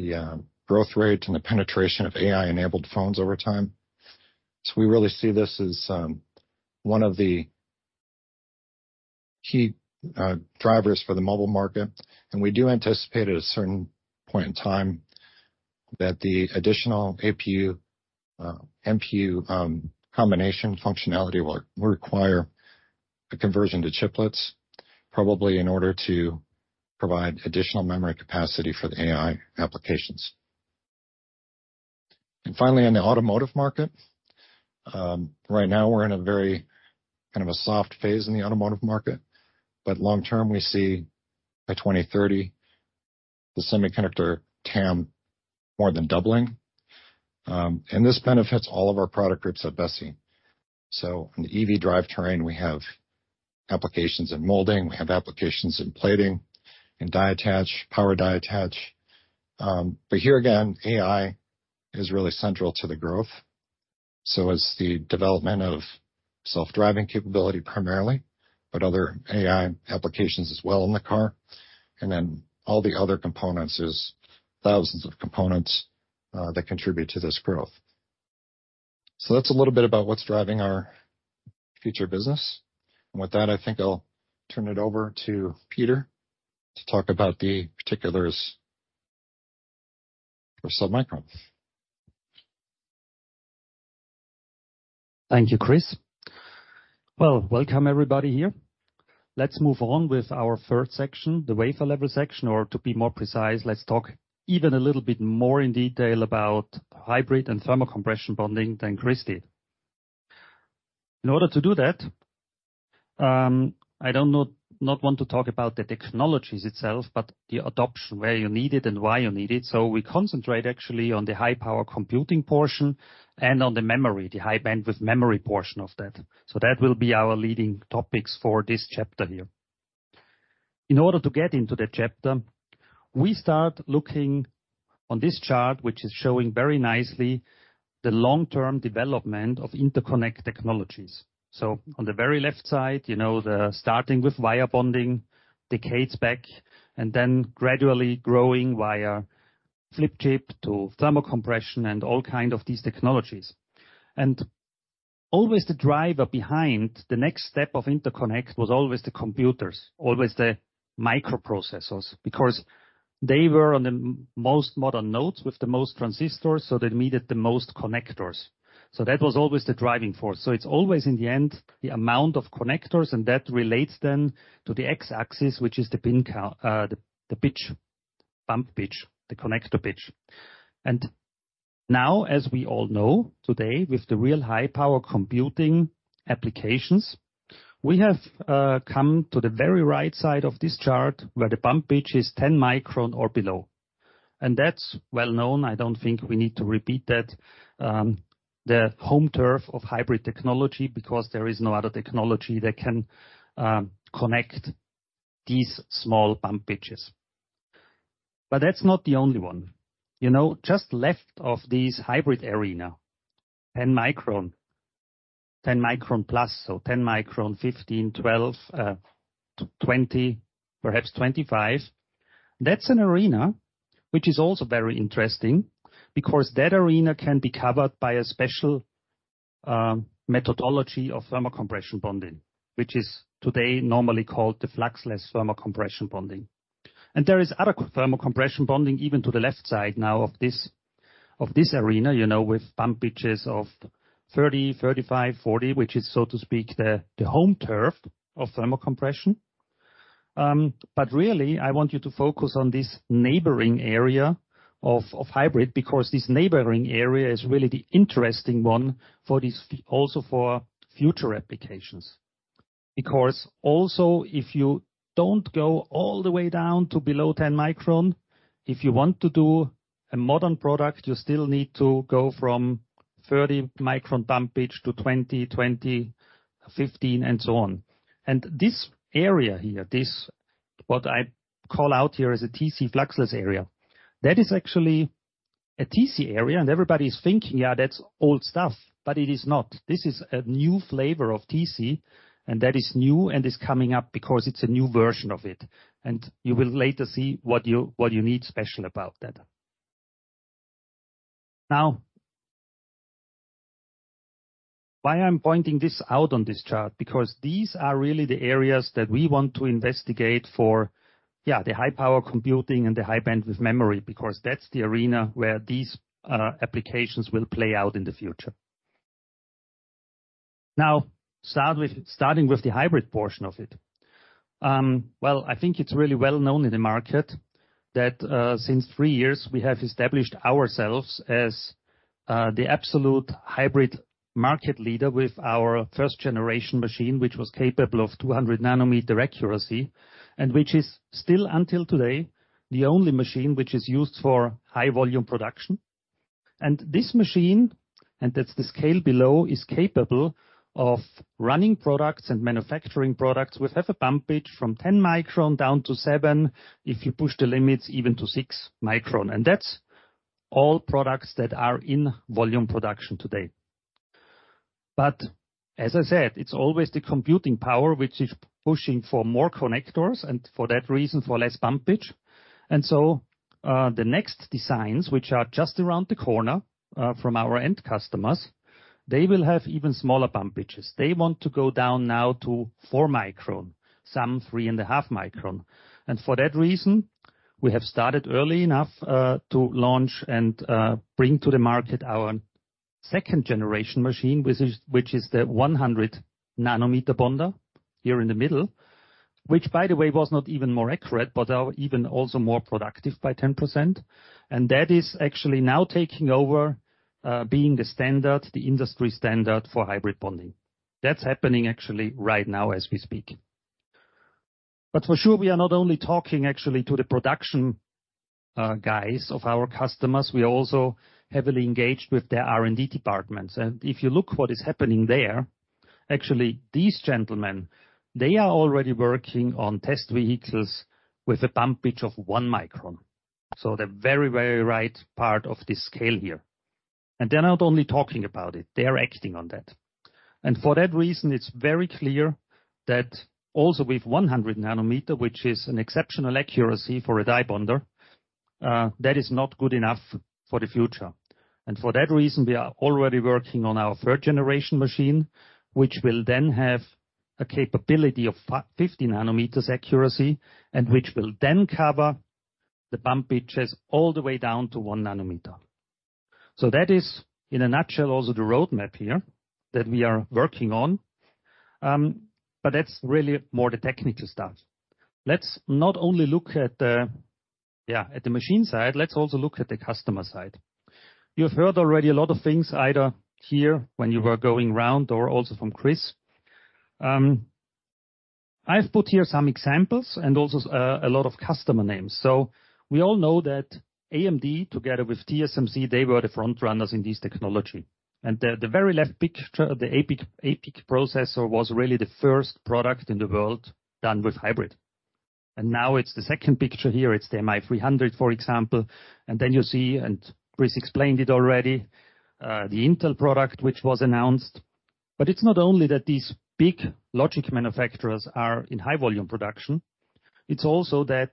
the growth rate and the penetration of AI-enabled phones over time. So we really see this as, one of the-... Key drivers for the mobile market, and we do anticipate at a certain point in time, that the additional APU, MPU, combination functionality will require a conversion to chiplets, probably in order to provide additional memory capacity for the AI applications. And finally, in the automotive market, right now, we're in a very, kind of a soft phase in the automotive market, but long term, we see by 2030, the semiconductor TAM more than doubling. And this benefits all of our product groups at BESI. So in the EV drivetrain, we have applications in molding, we have applications in plating, in die attach, power die attach. But here again, AI is really central to the growth. So is the development of self-driving capability, primarily, but other AI applications as well in the car, and then all the other components, there's thousands of components, that contribute to this growth. So that's a little bit about what's driving our future business. And with that, I think I'll turn it over to Peter to talk about the particulars for sub-micron. Thank you, Chris. Well, welcome, everybody here. Let's move on with our third section, the wafer level section, or to be more precise, let's talk even a little bit more in detail about hybrid and thermal compression bonding than Chris did. In order to do that, I don't want to talk about the technologies itself, but the adoption, where you need it and why you need it. So we concentrate actually on the high power computing portion and on the memory, the high bandwidth memory portion of that. So that will be our leading topics for this chapter here. In order to get into the chapter, we start looking on this chart, which is showing very nicely the long-term development of interconnect technologies. So on the very left side, you know, the starting with wire bonding decades back, and then gradually growing via flip chip to thermal compression and all kind of these technologies. And always the driver behind the next step of interconnect was always the computers, always the microprocessors, because they were on the most modern nodes with the most transistors, so they needed the most connectors. So that was always the driving force. So it's always, in the end, the amount of connectors, and that relates then to the x-axis, which is the pin count, the pitch, bump pitch, the connector pitch. And now, as we all know, today, with the real high power computing applications, we have come to the very right side of this chart, where the bump pitch is 10 micron or below. And that's well known. I don't think we need to repeat that, the home turf of hybrid technology, because there is no other technology that can connect these small bump pitches. But that's not the only one. You know, just left of this hybrid arena, 10 micron, 10 micron+, so 10 micron, 15, 12, 20, perhaps 25. That's an arena which is also very interesting because that arena can be covered by a special methodology of thermal compression bonding, which is today normally called the fluxless thermal compression bonding. And there is other thermal compression bonding, even to the left side now of this, of this arena, you know, with bump pitches of 30, 35, 40, which is, so to speak, the home turf of thermal compression. But really, I want you to focus on this neighboring area of hybrid, because this neighboring area is really the interesting one for this, also for future applications. Because also, if you don't go all the way down to below 10 micron, if you want to do a modern product, you still need to go from 30-micron bump pitch to 20, 20, 15, and so on. And this area here, this, what I call out here as a TC fluxless area, that is actually a TC area, and everybody's thinking, "Yeah, that's old stuff," but it is not. This is a new flavor of TC, and that is new and is coming up because it's a new version of it, and you will later see what you need special about that. Now, why I'm pointing this out on this chart? Because these are really the areas that we want to investigate for the high power computing and the high bandwidth memory, because that's the arena where these applications will play out in the future. Now, starting with the hybrid portion of it. Well, I think it's really well known in the market that since three years, we have established ourselves as the absolute hybrid market leader with our first generation machine, which was capable of 200 nm accuracy, and which is still, until today, the only machine which is used for high volume production. And this machine, and that's the scale below, is capable of running products and manufacturing products, which have a bump pitch from 10 micron down to 7, if you push the limits, even to 6 micron. And that's all products that are in volume production today. But as I said, it's always the computing power which is pushing for more connectors and for that reason, for less bump pitch. And the next designs, which are just around the corner, from our end customers, they will have even smaller bump pitches. They want to go down now to 4 micron, some 3.5 micron. And for that reason, we have started early enough, to launch and, bring to the market our second generation machine, which is, which is the 100 nm bonder here in the middle. Which, by the way, was not even more accurate, but, even also more productive by 10%. And that is actually now taking over, being the standard, the industry standard for hybrid bonding. That's happening actually right now as we speak. But for sure, we are not only talking actually to the production guys of our customers, we are also heavily engaged with their R&D departments. And if you look what is happening there, actually, these gentlemen, they are already working on test vehicles with a bump pitch of 1 micron, so the very, very right part of this scale here. And they're not only talking about it, they are acting on that. And for that reason, it's very clear that also with 100 nm, which is an exceptional accuracy for a die bonder, that is not good enough for the future. And for that reason, we are already working on our third generation machine, which will then have a capability of 50 nm accuracy, and which will then cover the bump pitches all the way down to 1 nm. So that is, in a nutshell, also the roadmap here that we are working on. But that's really more the technical stuff. Let's not only look at the, yeah, at the machine side, let's also look at the customer side. You have heard already a lot of things, either here when you were going round or also from Chris. I've put here some examples and also a lot of customer names. So we all know that AMD, together with TSMC, they were the front runners in this technology. And the very left picture, the EPYC processor, was really the first product in the world done with hybrid. And now it's the second picture here, it's the MI300, for example. And then you see, and Chris explained it already, the Intel product, which was announced. But it's not only that these big logic manufacturers are in high volume production, it's also that,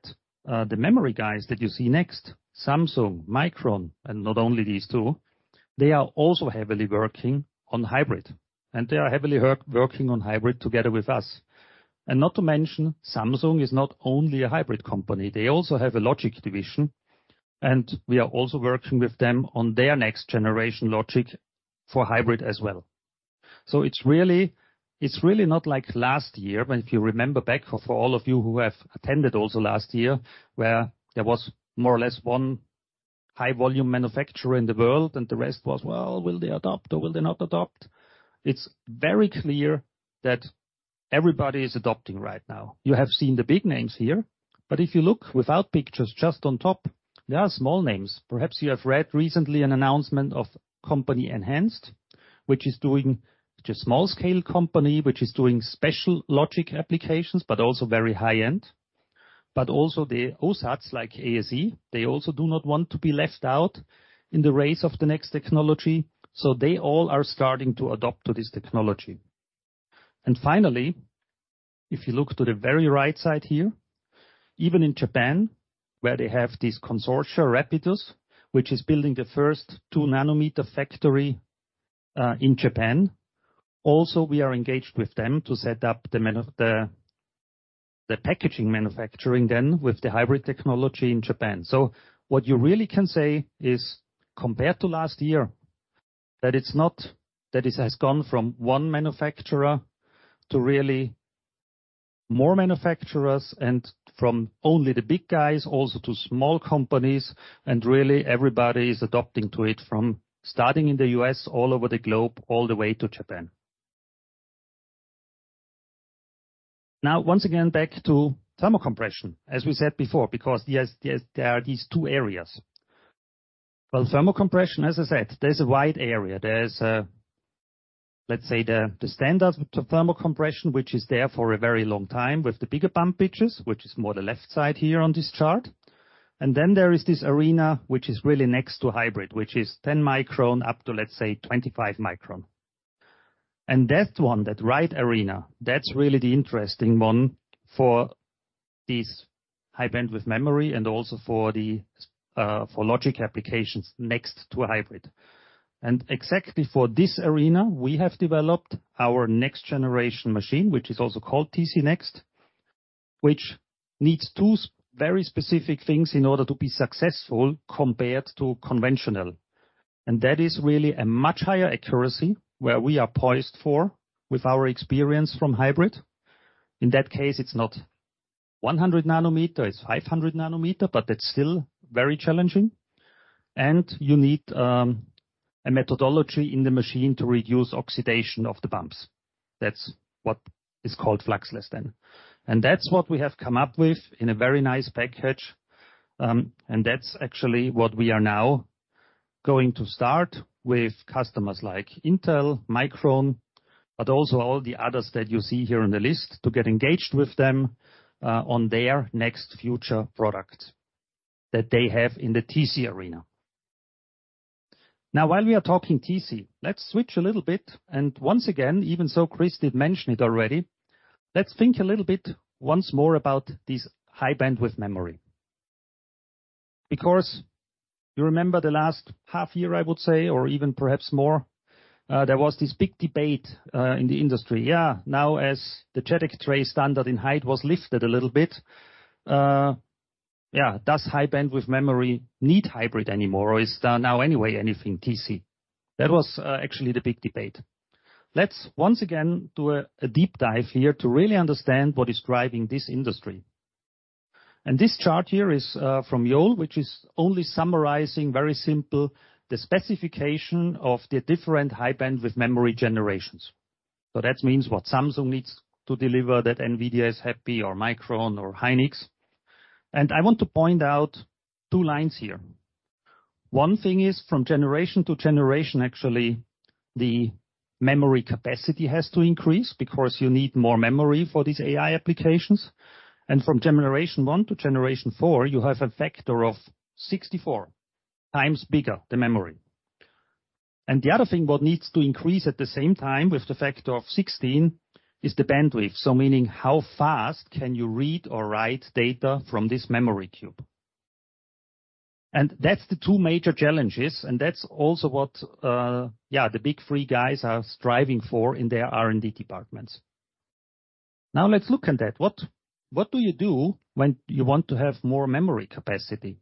the memory guys that you see next, Samsung, Micron, and not only these two, they are also heavily working on hybrid, and they are heavily working on hybrid together with us. And not to mention, Samsung is not only a hybrid company, they also have a logic division, and we are also working with them on their next generation logic for hybrid as well. So it's really, it's really not like last year, but if you remember back, for all of you who have attended also last year, where there was more or less one high volume manufacturer in the world, and the rest was, "Well, will they adopt or will they not adopt?" It's very clear that everybody is adopting right now. You have seen the big names here, but if you look without pictures, just on top, there are small names. Perhaps you have read recently an announcement of NHanced, which is a small scale company, which is doing special logic applications, but also very high end. But also the OSATs, like ASE, they also do not want to be left out in the race of the next technology. So they all are starting to adapt to this technology. And finally, if you look to the very right side here, even in Japan, where they have this consortia, Rapidus, which is building the first 2 nm factory in Japan, also, we are engaged with them to set up the packaging manufacturing then with the hybrid technology in Japan. So what you really can say is, compared to last year, that it has gone from one manufacturer to really more manufacturers, and from only the big guys, also to small companies, and really, everybody is adopting to it, from starting in the U.S., all over the globe, all the way to Japan. Now, once again, back to thermal compression, as we said before, because yes, yes, there are these two areas. Well, thermal compression, as I said, there's a wide area. There's a, let's say, the standard to thermal compression, which is there for a very long time, with the bigger bump pitches, which is more the left side here on this chart. And then there is this area, which is really next to hybrid, which is 10-25 micron. And that one, that right arena, that's really the interesting one for this high bandwidth memory and also for logic applications next to a hybrid. And exactly for this arena, we have developed our next generation machine, which is also called TC Next, which needs two very specific things in order to be successful compared to conventional. And that is really a much higher accuracy, where we are poised for with our experience from hybrid. In that case, it's not 100 nm, it's 500 nm, but that's still very challenging. And you need a methodology in the machine to reduce oxidation of the bumps. That's what is called fluxless then. And that's what we have come up with in a very nice package, and that's actually what we are now going to start with customers like Intel, Micron, but also all the others that you see here on the list, to get engaged with them, on their next future product that they have in the TC arena. Now, while we are talking TC, let's switch a little bit, and once again, even so Chris did mention it already, let's think a little bit once more about this high-bandwidth memory. Because you remember the last half year, I would say, or even perhaps more, there was this big debate, in the industry. Yeah, now, as the JEDEC tray standard in height was lifted a little bit, yeah, does high-bandwidth memory need hybrid anymore, or is there now anyway anything TC? That was actually the big debate. Let's once again do a deep dive here to really understand what is driving this industry. And this chart here is from Yole, which is only summarizing very simple, the specification of the different high-bandwidth memory generations. So that means what Samsung needs to deliver, that NVIDIA is happy, or Micron, or Hynix. And I want to point out two lines here. One thing is, from generation to generation, actually, the memory capacity has to increase because you need more memory for these AI applications. And from generation one to generation four, you have a factor of 64 times bigger the memory. And the other thing what needs to increase at the same time, with the factor of 16, is the bandwidth. So meaning, how fast can you read or write data from this memory cube? And that's the two major challenges, and that's also what the big three guys are striving for in their R&D departments. Now, let's look at that. What do you do when you want to have more memory capacity?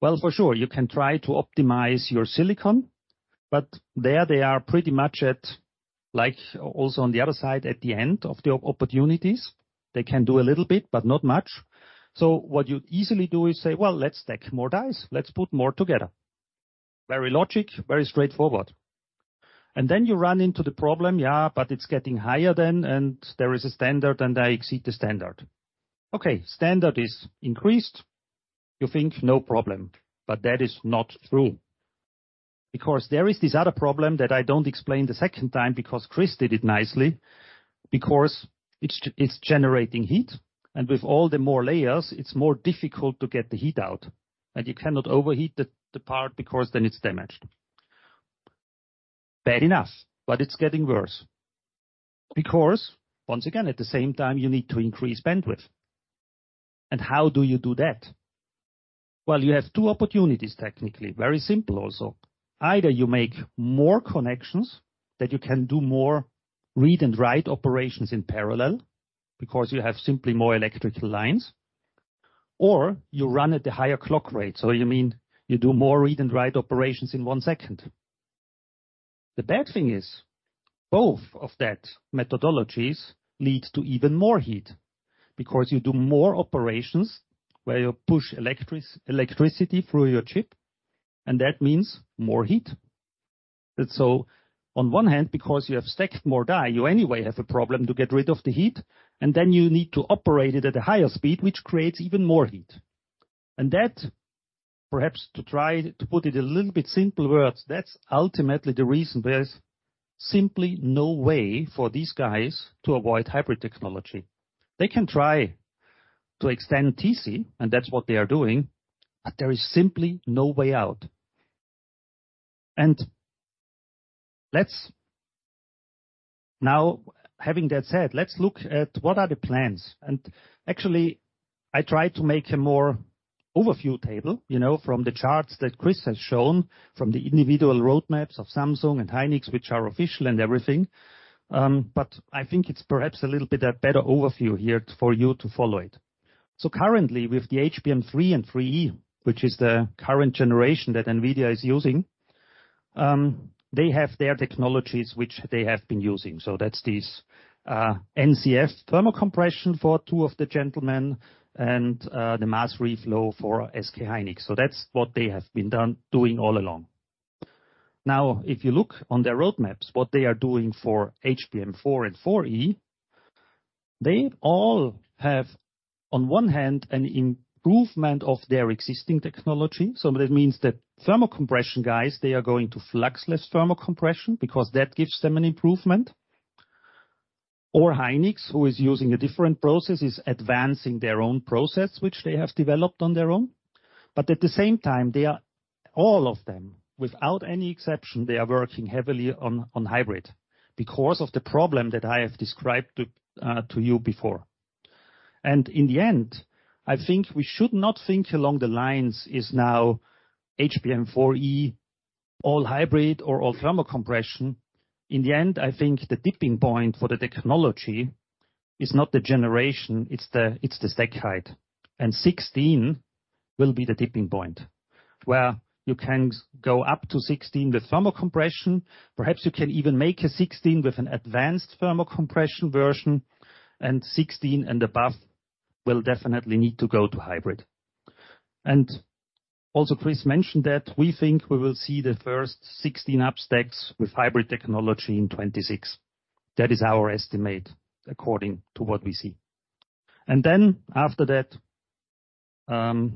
Well, for sure, you can try to optimize your silicon, but there they are pretty much at, like, also on the other side, at the end of the opportunities. They can do a little bit, but not much. So what you easily do is say, "Well, let's stack more dies. Let's put more together." Very logic, very straightforward. And then you run into the problem, but it's getting higher then, and there is a standard, and I exceed the standard. Okay, standard is increased. You think, no problem, but that is not true. Because there is this other problem that I don't explain the second time, because Chris did it nicely, because it's generating heat, and with all the more layers, it's more difficult to get the heat out, and you cannot overheat the part because then it's damaged. Bad enough, but it's getting worse. Because, once again, at the same time, you need to increase bandwidth. And how do you do that? Well, you have two opportunities, technically. Very simple also. Either you make more connections that you can do more read and write operations in parallel, because you have simply more electrical lines, or you run at the higher clock rate, so you mean you do more read and write operations in one second. The bad thing is, both of those methodologies lead to even more heat, because you do more operations where you push electricity through your chip, and that means more heat. And so on one hand, because you have stacked more die, you anyway have a problem to get rid of the heat, and then you need to operate it at a higher speed, which creates even more heat. And that, perhaps, to try to put it in a little bit simple words, that's ultimately the reason there's simply no way for these guys to avoid hybrid technology. They can try to extend TC, and that's what they are doing, but there is simply no way out. Now, having that said, let's look at what the plans are. Actually, I tried to make a more overview table, you know, from the charts that Chris has shown, from the individual roadmaps of Samsung and Hynix, which are official and everything. But I think it's perhaps a little bit a better overview here for you to follow it. So currently, with the HBM3 and 3E, which is the current generation that NVIDIA is using, they have their technologies which they have been using. So that's this, NCF thermal compression for two of the gentlemen and the mass reflow for SK Hynix. So that's what they have been doing all along. Now, if you look on their roadmaps, what they are doing for HBM4 and 4E, they all have, on one hand, an improvement of their existing technology. So that means that thermal compression guys, they are going to fluxless thermal compression because that gives them an improvement. Or Hynix, who is using a different process, is advancing their own process, which they have developed on their own. But at the same time, they are, all of them, without any exception, they are working heavily on, on hybrid because of the problem that I have described to, to you before. And in the end, I think we should not think along the lines, is now HBM4E all hybrid or all thermal compression? In the end, I think the tipping point for the technology is not the generation, it's the, it's the stack height. And 16 will be the tipping point, where you can go up to 16 with thermal compression. Perhaps you can even make a 16 with an advanced thermal compression version, and 16 and above will definitely need to go to hybrid. And also, Chris mentioned that we think we will see the first 16-up stacks with hybrid technology in 2026. That is our estimate, according to what we see. And then after that,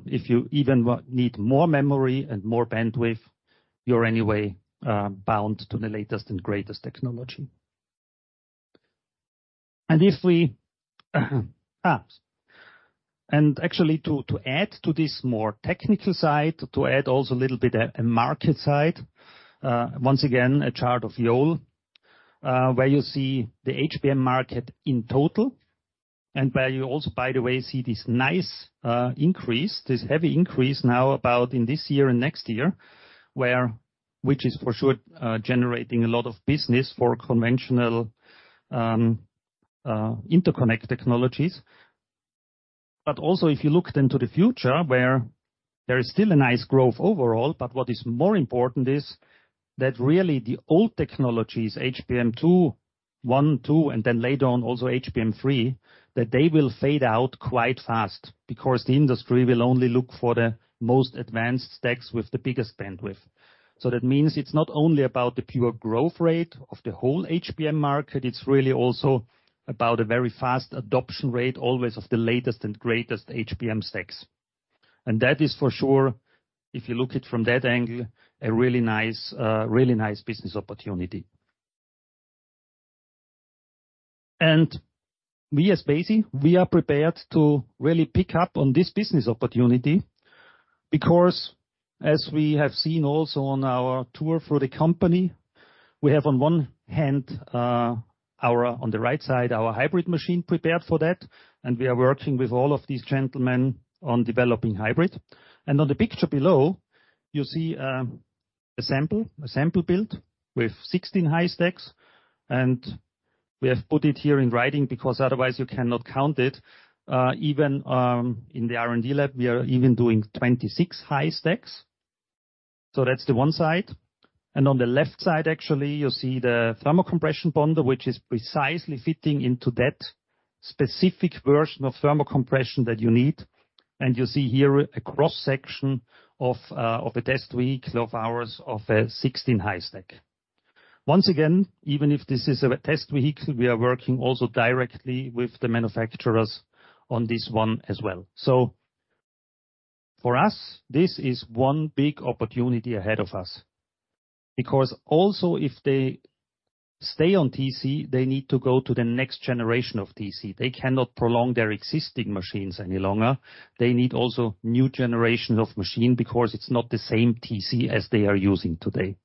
if you even need more memory and more bandwidth, you're anyway bound to the latest and greatest technology. And actually to add to this more technical side, to add also a little bit, a market side. Once again, a chart of Yole, where you see the HBM market in total, and where you also, by the way, see this nice increase, this heavy increase now about in this year and next year, which is for sure generating a lot of business for conventional interconnect technologies. But also, if you look into the future, where there is still a nice growth overall, but what is more important is that really the old technologies, HBM2, one, two, and then later on, also HBM3, that they will fade out quite fast, because the industry will only look for the most advanced stacks with the biggest bandwidth. So that means it's not only about the pure growth rate of the whole HBM market, it's really also about a very fast adoption rate, always, of the latest and greatest HBM stacks. And that is for sure, if you look it from that angle, a really nice, really nice business opportunity. And we, as Besi, we are prepared to really pick up on this business opportunity, because as we have seen also on our tour through the company, we have, on one hand, our... on the right side, our hybrid machine prepared for that, and we are working with all of these gentlemen on developing hybrid. And on the picture below, you see, a sample, a sample build with 16 high stacks, and we have put it here in writing, because otherwise you cannot count it. Even, in the R&D lab, we are even doing 26 high stacks. So that's the one side. And on the left side, actually, you see the thermal compression bonder, which is precisely fitting into that specific version of thermal compression that you need. And you see here a cross-section of a test vehicle of ours, of a 16-high stack. Once again, even if this is a test vehicle, we are working also directly with the manufacturers on this one as well. So for us, this is one big opportunity ahead of us, because also, if they stay on TC, they need to go to the next generation of TC. They cannot prolong their existing machines any longer. They need also new generation of machine, because it's not the same TC as they are using today.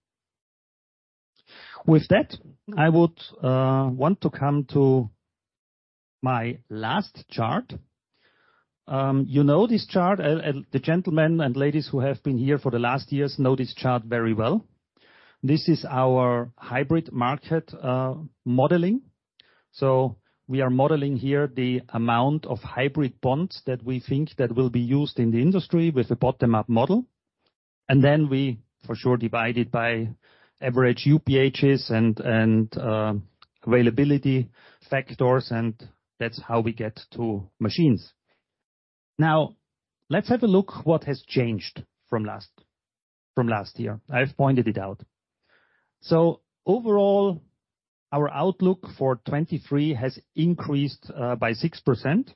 With that, I would want to come to my last chart. You know this chart, and the gentlemen and ladies who have been here for the last years know this chart very well. This is our hybrid market modeling. So we are modeling here the amount of hybrid bonds that we think that will be used in the industry with a bottom-up model. And then we, for sure, divide it by average UPHs and availability factors, and that's how we get to machines. Now, let's have a look what has changed from last year. I've pointed it out. So overall, our outlook for 2023 has increased by 6%.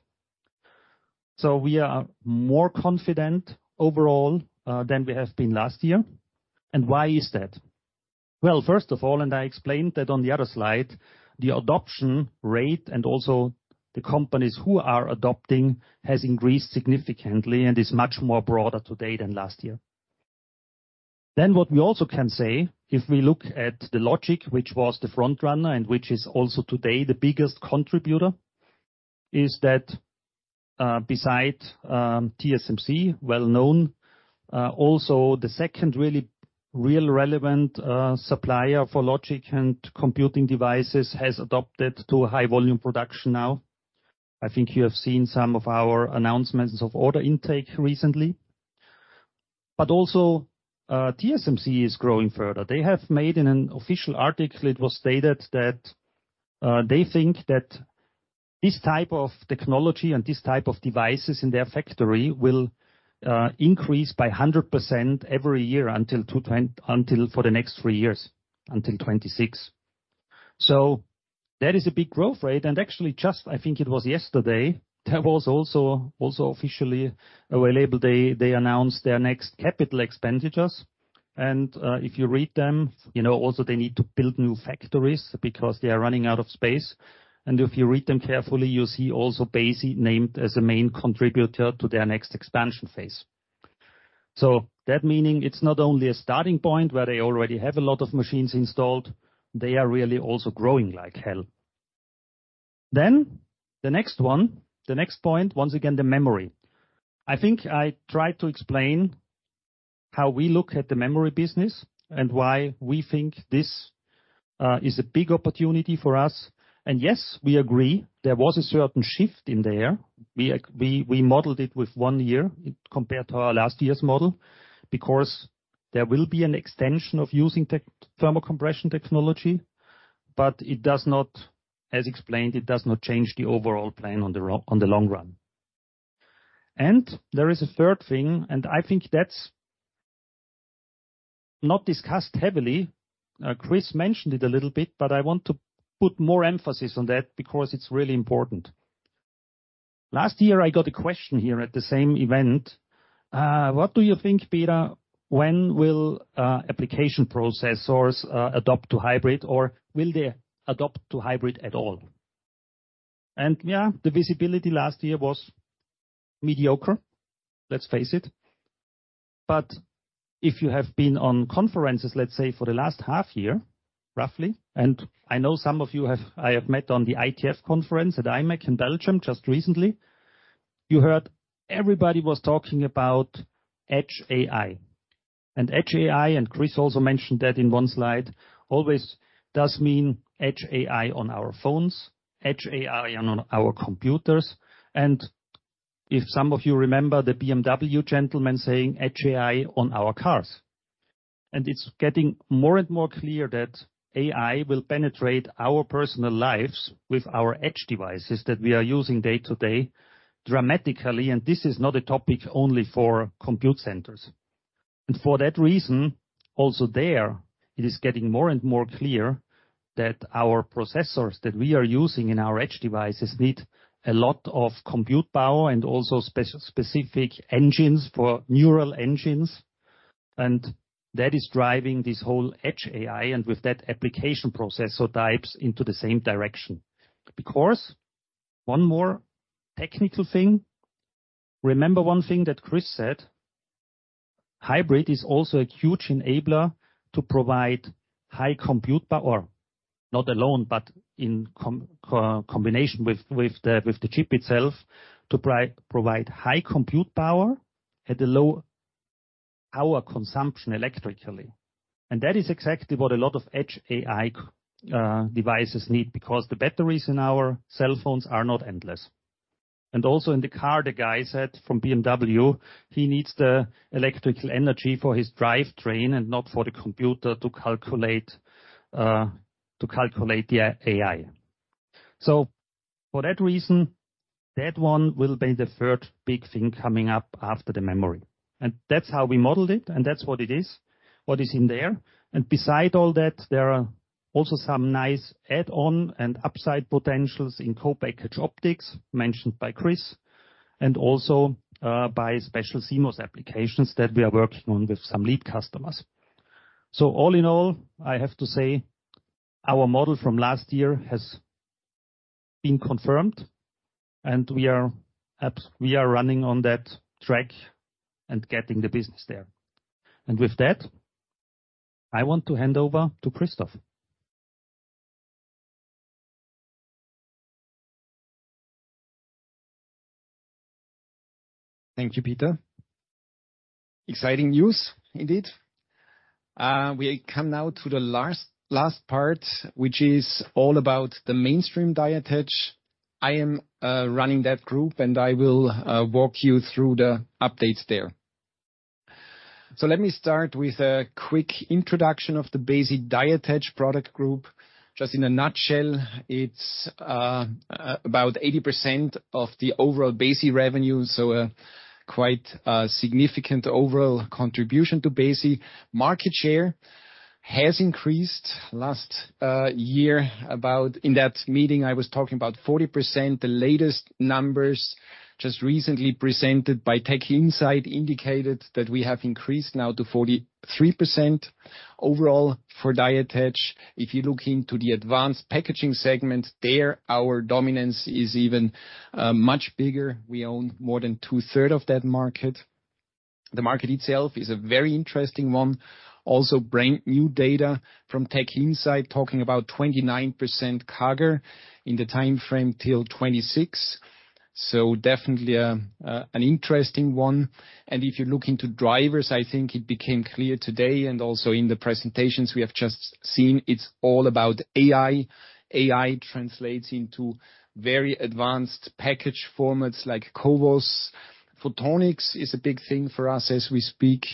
So we are more confident overall than we have been last year. And why is that? Well, first of all, and I explained that on the other slide, the adoption rate and also the companies who are adopting, has increased significantly and is much more broader today than last year. Then, what we also can say, if we look at the logic, which was the front runner and which is also today the biggest contributor, is that, besides, TSMC, well-known, also the second really real relevant, supplier for logic and computing devices has adopted to a high volume production now. I think you have seen some of our announcements of order intake recently. But also, TSMC is growing further. They have made in an official article, it was stated that, they think that this type of technology and this type of devices in their factory will increase by 100% every year until for the next three years, until 2026. So that is a big growth rate. And actually, just I think it was yesterday, there was also, also officially available. They, they announced their next capital expenditures. And, if you read them, you know, also they need to build new factories because they are running out of space. And if you read them carefully, you'll see also Besi named as a main contributor to their next expansion phase. So that meaning it's not only a starting point where they already have a lot of machines installed, they are really also growing like hell. Then the next one, the next point, once again, the memory. I think I tried to explain how we look at the memory business and why we think this is a big opportunity for us. And yes, we agree, there was a certain shift in there. We modeled it with one year compared to our last year's model, because there will be an extension of using thermal compression technology, but it does not, as explained, it does not change the overall plan on the long run. And there is a third thing, and I think that's not discussed heavily. Chris mentioned it a little bit, but I want to put more emphasis on that because it's really important.... Last year, I got a question here at the same event: what do you think, Peter, when will application processors adopt to hybrid, or will they adopt to hybrid at all? Yeah, the visibility last year was mediocre, let's face it. But if you have been on conferences, let's say, for the last half year, roughly, and I know some of you have—I have met on the ITF conference at IMEC in Belgium just recently. You heard everybody was talking about edge AI. And edge AI, and Chris also mentioned that in one slide, always does mean edge AI on our phones, edge AI on our computers, and if some of you remember the BMW gentleman saying, edge AI on our cars. It's getting more and more clear that AI will penetrate our personal lives with our edge devices that we are using day-to-day dramatically, and this is not a topic only for compute centers. For that reason, also there, it is getting more and more clear that our processors that we are using in our edge devices need a lot of compute power and also spec-specific engines for neural engines. That is driving this whole edge AI, and with that application processor types into the same direction. Because one more technical thing, remember one thing that Chris said: hybrid is also a huge enabler to provide high compute power, not alone, but in combination with the chip itself, to provide high compute power at a low power consumption electrically. That is exactly what a lot of edge AI devices need, because the batteries in our cell phones are not endless. Also in the car, the guy said, from BMW, he needs the electrical energy for his drivetrain and not for the computer to calculate to calculate the AI. So for that reason, that one will be the third big thing coming up after the memory. That's how we modeled it, and that's what it is, what is in there. Beside all that, there are also some nice add-on and upside potentials in co-packaged optics, mentioned by Chris, and also by special CMOS applications that we are working on with some lead customers. So all in all, I have to say, our model from last year has been confirmed, and we are running on that track and getting the business there. And with that, I want to hand over to Christoph. Thank you, Peter. Exciting news, indeed. We come now to the last part, which is all about the mainstream die attach. I am running that group, and I will walk you through the updates there. So let me start with a quick introduction of the basic die attach product group. Just in a nutshell, it's about 80% of the overall Besi revenue, so a quite significant overall contribution to Besi. Market share has increased. Last year, in that meeting, I was talking about 40%. The latest numbers, just recently presented by TechInsights, indicated that we have increased now to 43% overall for die attach. If you look into the advanced packaging segment, there, our dominance is even much bigger. We own more than two-thirds of that market. The market itself is a very interesting one. Also, brand-new data from TechInsights, talking about 29% CAGR in the time frame till 2026. So definitely, an interesting one. And if you look into drivers, I think it became clear today, and also in the presentations we have just seen, it's all about AI. AI translates into very advanced package formats like CoWoS. Photonics is a big thing for us as we speak,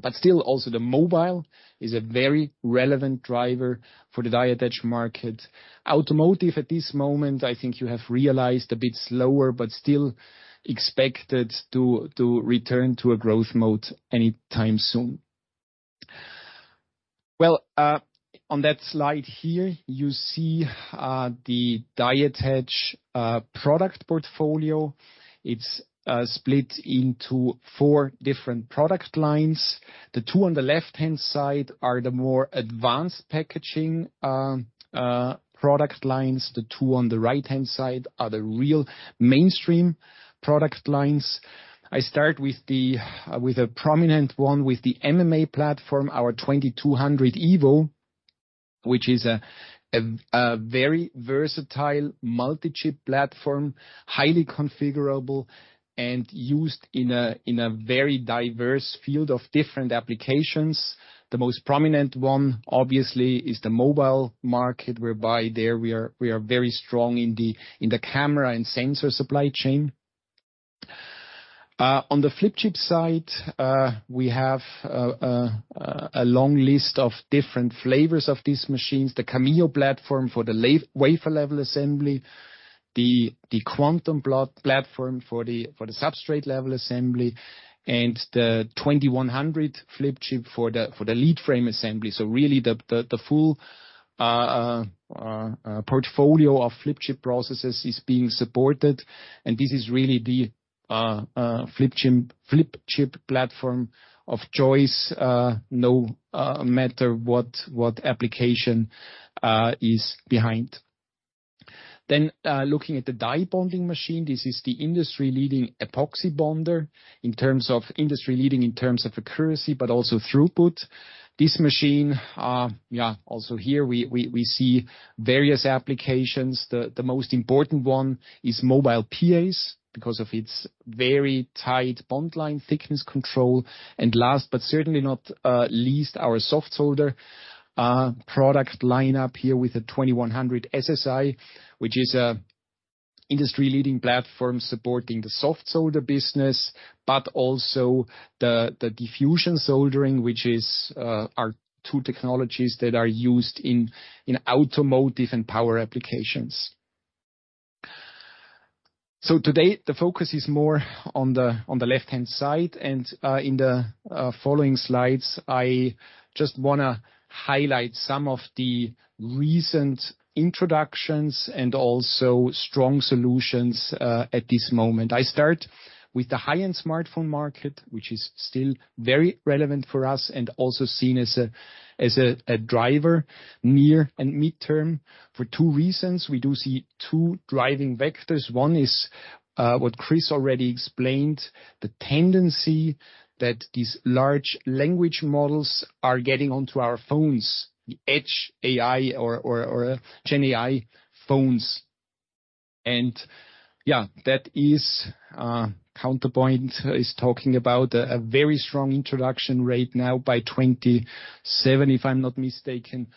but still also the mobile is a very relevant driver for the die attach market. Automotive, at this moment, I think you have realized a bit slower, but still expected to return to a growth mode any time soon. Well, on that slide here, you see the die attach product portfolio. It's split into four different product lines. The two on the left-hand side are the more advanced packaging product lines. The two on the right-hand side are the real mainstream product lines. I start with a prominent one, the MMA platform, our 2200 Evo, which is a very versatile multi-chip platform, highly configurable and used in a very diverse field of different applications. The most prominent one, obviously, is the mobile market, whereby we are very strong in the camera and sensor supply chain. On the flip chip side, we have a long list of different flavors of these machines. The Chameo platform for the wafer-level assembly, the Quantum platform for the substrate level assembly, and the 2100 Flip Chip for the lead frame assembly. So really, the full portfolio of flip chip processes is being supported, and this is really the flip chip platform of choice, no matter what application is behind. Then, looking at the die bonding machine, this is the industry-leading epoxy bonder in terms of industry-leading, in terms of accuracy, but also throughput. This machine, yeah, also here we see various applications. The most important one is mobile PAs, because of its very tight bond line thickness control. And last, but certainly not least, our soft solder product line up here with a 2100 SSI, which is a industry-leading platform supporting the soft solder business, but also the diffusion soldering, which is our two technologies that are used in automotive and power applications. So to date, the focus is more on the, on the left-hand side, and, in the, following slides, I just wanna highlight some of the recent introductions and also strong solutions, at this moment. I start with the high-end smartphone market, which is still very relevant for us and also seen as a, as a, a driver, near and midterm, for two reasons. We do see two driving vectors. One is, what Chris already explained, the tendency that these large language models are getting onto our phones, the edge AI or, Gen AI phones. And yeah, that is, Counterpoint is talking about a, a very strong introduction rate now by 2027, if I'm not mistaken.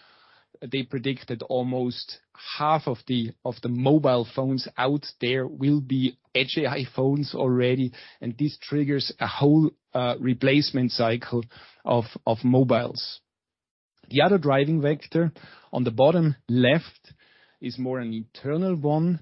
They predicted almost half of the mobile phones out there will be edge AI phones already, and this triggers a whole replacement cycle of mobiles. The other driving vector on the bottom left is more an internal one.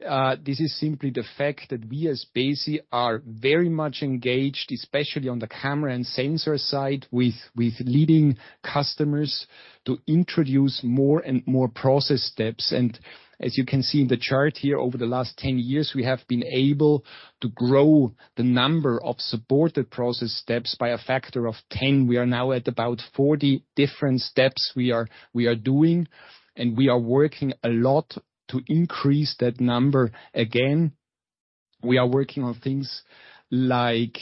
This is simply the fact that we as Besi are very much engaged, especially on the camera and sensor side, with leading customers to introduce more and more process steps. And as you can see in the chart here, over the last 10 years, we have been able to grow the number of supported process steps by a factor of 10. We are now at about 40 different steps we are doing, and we are working a lot to increase that number again. We are working on things like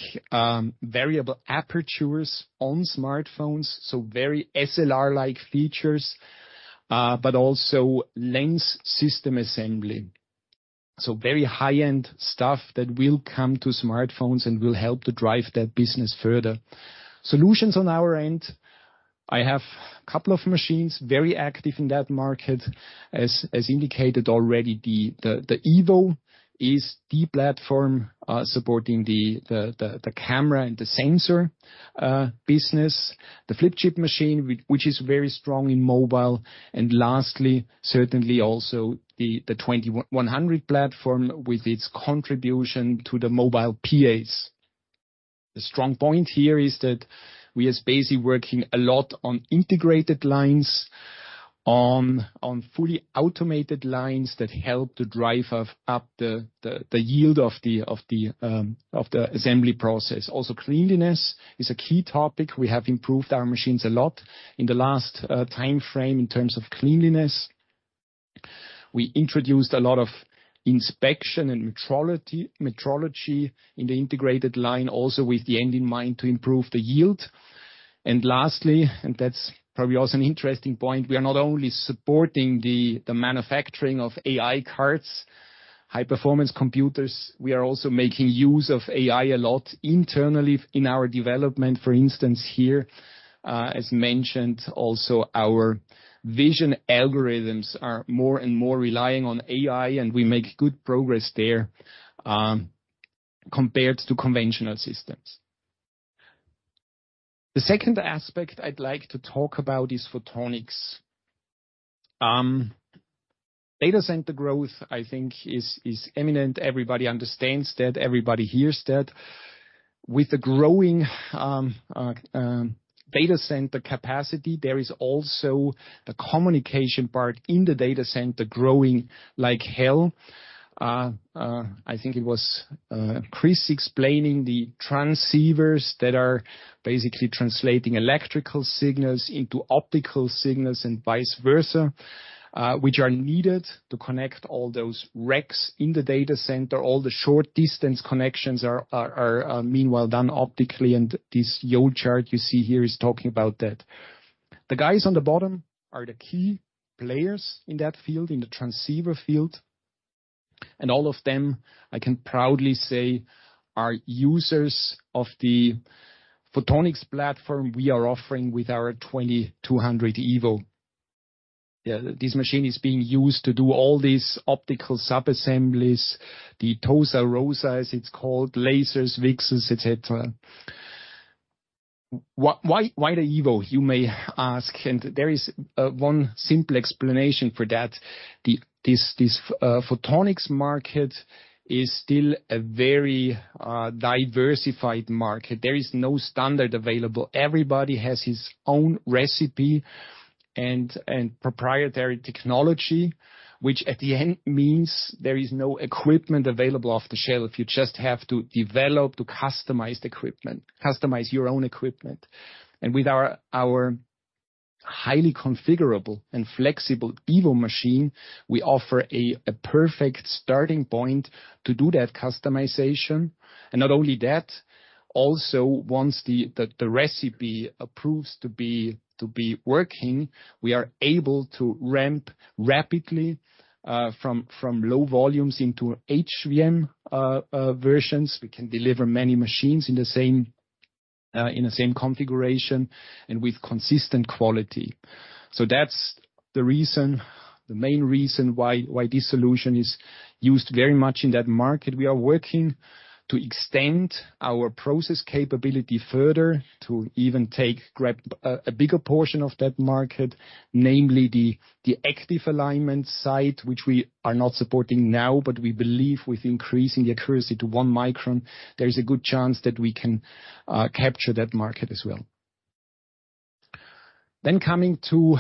variable apertures on smartphones, so very SLR-like features, but also lens system assembly. So very high-end stuff that will come to smartphones and will help to drive that business further. Solutions on our end, I have a couple of machines, very active in that market. As indicated already, the Evo is the platform supporting the camera and the sensor business, the flip chip machine, which is very strong in mobile, and lastly, certainly also the 2100 platform with its contribution to the mobile PAs. The strong point here is that we as Besi, working a lot on integrated lines, on fully automated lines that help to drive up the yield of the assembly process. Also, cleanliness is a key topic. We have improved our machines a lot in the last time frame in terms of cleanliness. We introduced a lot of inspection and metrology in the integrated line, also with the end in mind to improve the yield. And lastly, and that's probably also an interesting point, we are not only supporting the manufacturing of AI cards, high-performance computers, we are also making use of AI a lot internally in our development. For instance, here, as mentioned, also, our vision algorithms are more and more relying on AI, and we make good progress there, compared to conventional systems. The second aspect I'd like to talk about is photonics. Data center growth, I think is imminent. Everybody understands that, everybody hears that. With the growing data center capacity, there is also a communication part in the data center growing like hell. I think it was Chris explaining the transceivers that are basically translating electrical signals into optical signals and vice versa, which are needed to connect all those racks in the data center. All the short distance connections are meanwhile done optically, and this yield chart you see here is talking about that. The guys on the bottom are the key players in that field, in the transceiver field, and all of them, I can proudly say, are users of the photonics platform we are offering with our 2200 Evo. Yeah, this machine is being used to do all these optical subassemblies, the TOSA ROSA, as it's called, lasers, VCSELs, et cetera. Why the Evo, you may ask, and there is one simple explanation for that. This photonics market is still a very diversified market. There is no standard available. Everybody has his own recipe and proprietary technology, which at the end means there is no equipment available off the shelf. You just have to develop customized equipment—customize your own equipment. And with our highly configurable and flexible Evo machine, we offer a perfect starting point to do that customization. And not only that, also once the recipe proves to be working, we are able to ramp rapidly from low volumes into HVM versions. We can deliver many machines in the same configuration and with consistent quality. So that's the reason, the main reason why this solution is used very much in that market. We are working to extend our process capability further to even take, grab a bigger portion of that market, namely the active alignment side, which we are not supporting now, but we believe with increasing accuracy to one micron, there is a good chance that we can capture that market as well. Then coming to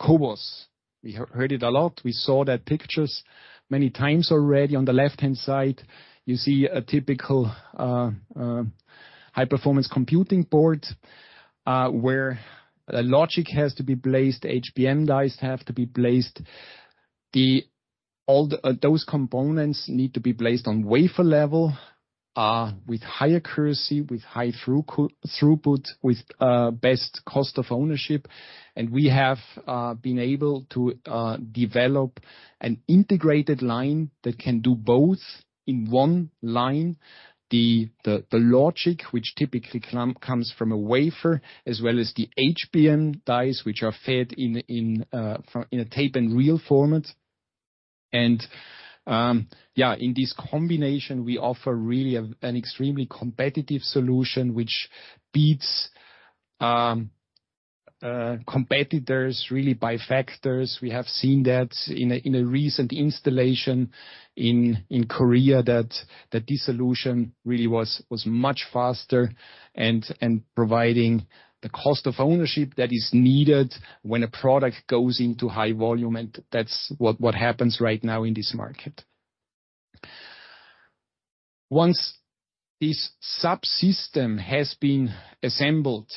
CoWoS. We heard it a lot. We saw that pictures many times already. On the left-hand side, you see a typical high-performance computing board, where the logic has to be placed, HBM dice have to be placed. All those components need to be placed on wafer level with high accuracy, with high throughput, with best cost of ownership. And we have been able to develop an integrated line that can do both in one line. The logic, which typically comes from a wafer, as well as the HBM dice, which are fed in a tape and reel format. And, yeah, in this combination, we offer really an extremely competitive solution, which beats competitors really by factors. We have seen that in a recent installation in Korea, that this solution really was much faster and providing the cost of ownership that is needed when a product goes into high volume, and that's what happens right now in this market. Once this subsystem has been assembled,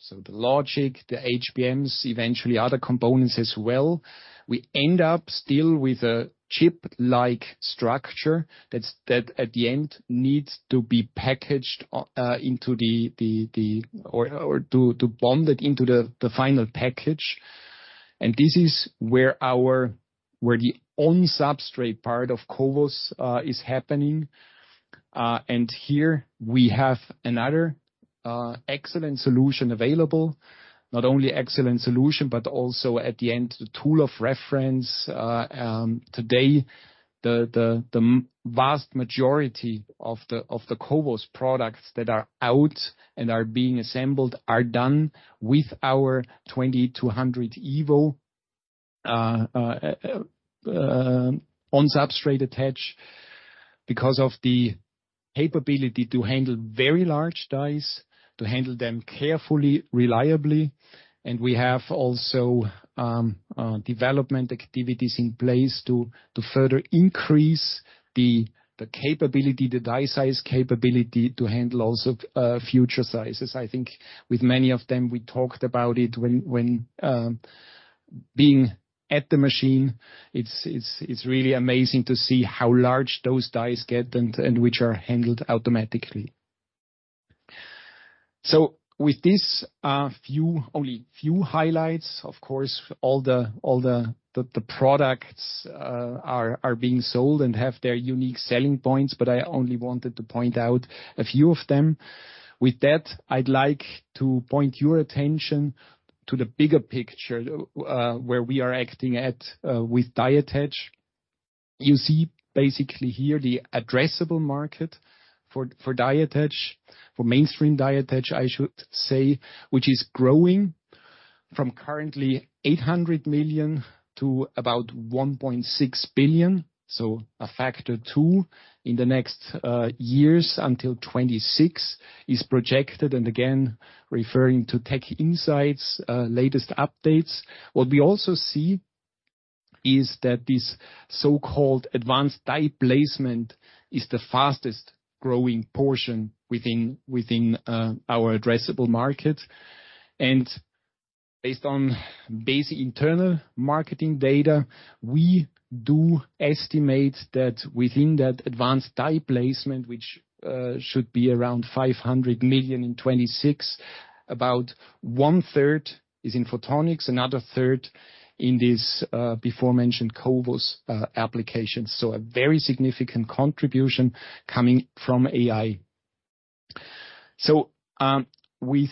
so the logic, the HBMs, eventually other components as well, we end up still with a chip-like structure that's at the end needs to be packaged into the final package. This is where the on-substrate part of CoWoS is happening. And here we have another excellent solution available. Not only excellent solution, but also at the end, the tool of reference. Today, the vast majority of the CoWoS products that are out and are being assembled are done with our 2200 Evo on-substrate attach, because of the capability to handle very large dice, to handle them carefully, reliably. We have also development activities in place to further increase the capability, the die size capability, to handle also future sizes. I think with many of them, we talked about it when being at the machine. It's really amazing to see how large those dice get and which are handled automatically. So with this, only a few highlights, of course, all the products are being sold and have their unique selling points, but I only wanted to point out a few of them. With that, I'd like to point your attention to the bigger picture, where we are acting at, with die attach. You see basically here the addressable market for die attach, for mainstream die attach, I should say, which is growing from currently 800 million to about 1.6 billion. So a factor two in the next years until 2026 is projected, and again, referring to TechInsights, latest updates. What we also see is that this so-called advanced die placement is the fastest-growing portion within our addressable market. Based on basic internal marketing data, we do estimate that within that advanced die placement, which should be around 500 million in 2026, about one-third is in photonics, another third in this before mentioned CoWoS application. A very significant contribution coming from AI. With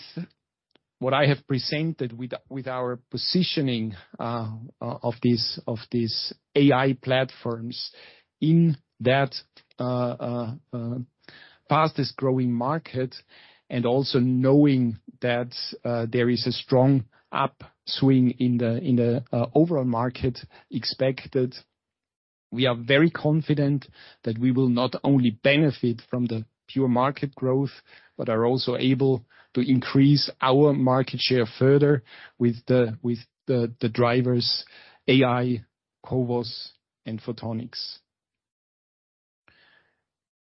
what I have presented with, with our positioning of this of this AI platforms in that fastest-growing market, and also knowing that there is a strong upswing in the in the overall market expected. We are very confident that we will not only benefit from the pure market growth, but are also able to increase our market share further with the drivers AI, CoWoS, and Photonics.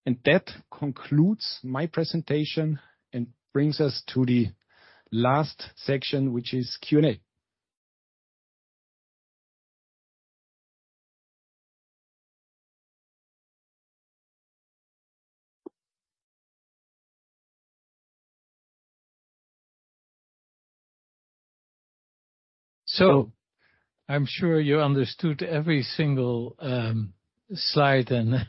And that concludes my presentation and brings us to the last section, which is Q&A. So I'm sure you understood every single slide, and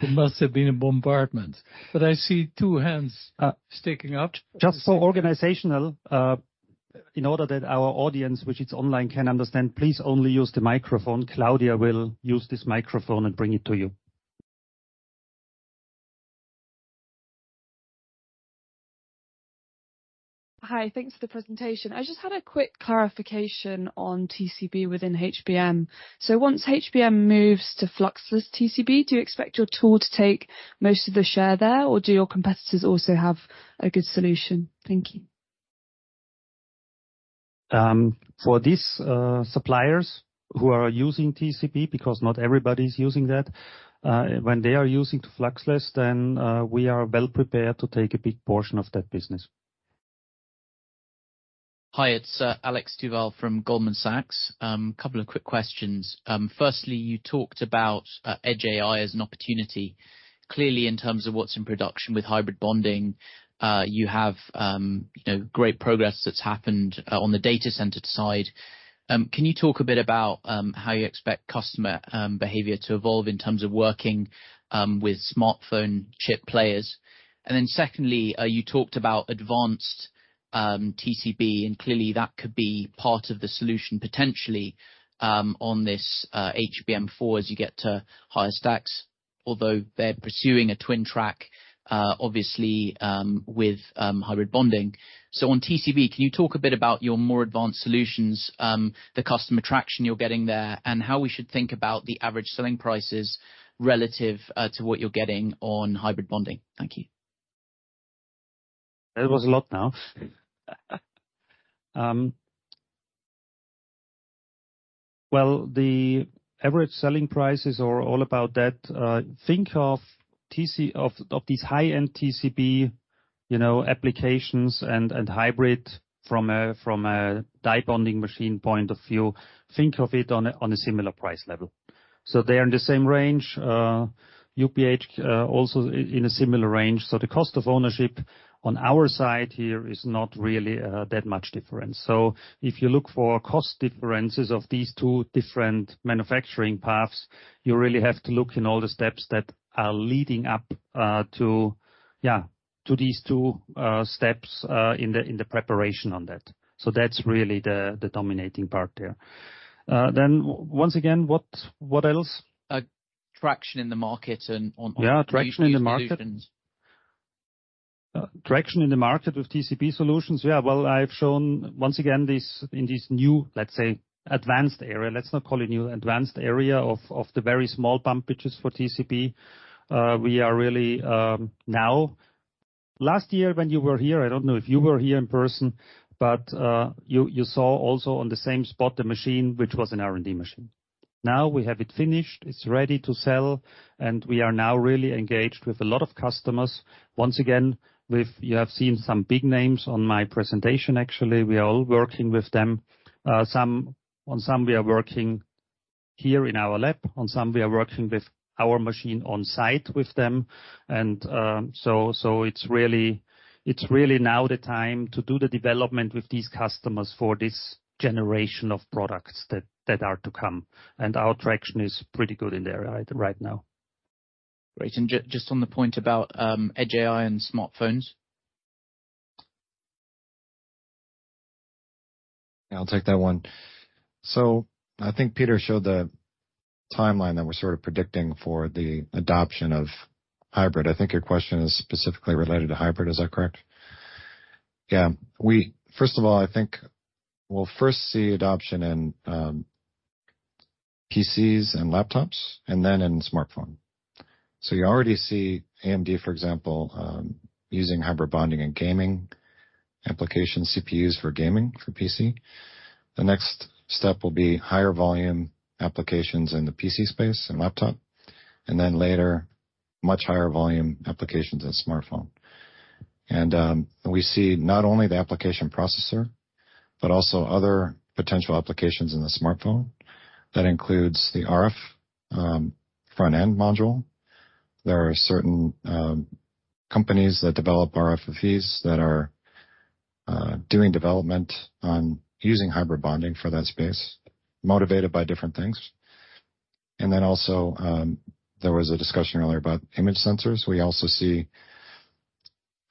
it must have been a bombardment, but I see two hands sticking up. Just for organizational, in order that our audience, which is online, can understand, please only use the microphone. Claudia will use this microphone and bring it to you. Hi, thanks for the presentation. I just had a quick clarification on TCB within HBM. So once HBM moves to fluxless TCB, do you expect your tool to take most of the share there, or do your competitors also have a good solution? Thank you. For these suppliers who are using TCB, because not everybody is using that, when they are using to fluxless, then we are well prepared to take a big portion of that business. Hi, it's Alex Duval from Goldman Sachs. A couple of quick questions. Firstly, you talked about Edge AI as an opportunity. Clearly, in terms of what's in production with hybrid bonding, you have, you know, great progress that's happened on the data center side. Can you talk a bit about how you expect customer behavior to evolve in terms of working with smartphone chip players? And then secondly, you talked about advanced TCB, and clearly, that could be part of the solution, potentially, on this HBM4, as you get to higher stacks. Although they're pursuing a twin track, obviously, with hybrid bonding. On TCB, can you talk a bit about your more advanced solutions, the customer traction you're getting there, and how we should think about the average selling prices relative to what you're getting on hybrid bonding? Thank you. That was a lot now. Well, the average selling prices are all about that. Think of TC-- of, of these high-end TCB, you know, applications and, and hybrid from a, from a die bonding machine point of view, think of it on a, on a similar price level. So they are in the same range, UPH, also in a similar range. So the cost of ownership on our side here is not really that much different. So if you look for cost differences of these two different manufacturing paths, you really have to look in all the steps that are leading up, to, yeah, to these two steps, in the, in the preparation on that. So that's really the, the dominating part there. Then once again, what, what else? Traction in the market and on- Yeah, traction in the market. Uh, solutions. Traction in the market with TCB solutions? Yeah, well, I've shown once again, this in this new, let's say, advanced area, let's not call it new. Advanced area of the very small bump pitches for TCB. We are really now... Last year, when you were here, I don't know if you were here in person, but you saw also on the same spot, the machine, which was an R&D machine. Now, we have it finished, it's ready to sell, and we are now really engaged with a lot of customers. Once again, you have seen some big names on my presentation. Actually, we are all working with them. On some, we are working here in our lab, on some, we are working with our machine on site with them, and so, so it's really, it's really now the time to do the development with these customers for this generation of products that, that are to come, and our traction is pretty good in the area right, right now. Great. Just on the point about Edge AI and smartphones. I'll take that one. So I think Peter showed the timeline that we're sort of predicting for the adoption of hybrid. I think your question is specifically related to hybrid. Is that correct? Yeah. First of all, I think we'll first see adoption in PCs and laptops, and then in smartphone. So you already see AMD, for example, using hybrid bonding in gaming, application CPUs for gaming, for PC. The next step will be higher volume applications in the PC space and laptop, and then later, much higher volume applications in smartphone. And we see not only the application processor, but also other potential applications in the smartphone. That includes the RF front-end module. There are certain companies that develop RFFEs that are doing development on using hybrid bonding for that space, motivated by different things. And then also, there was a discussion earlier about image sensors. We also see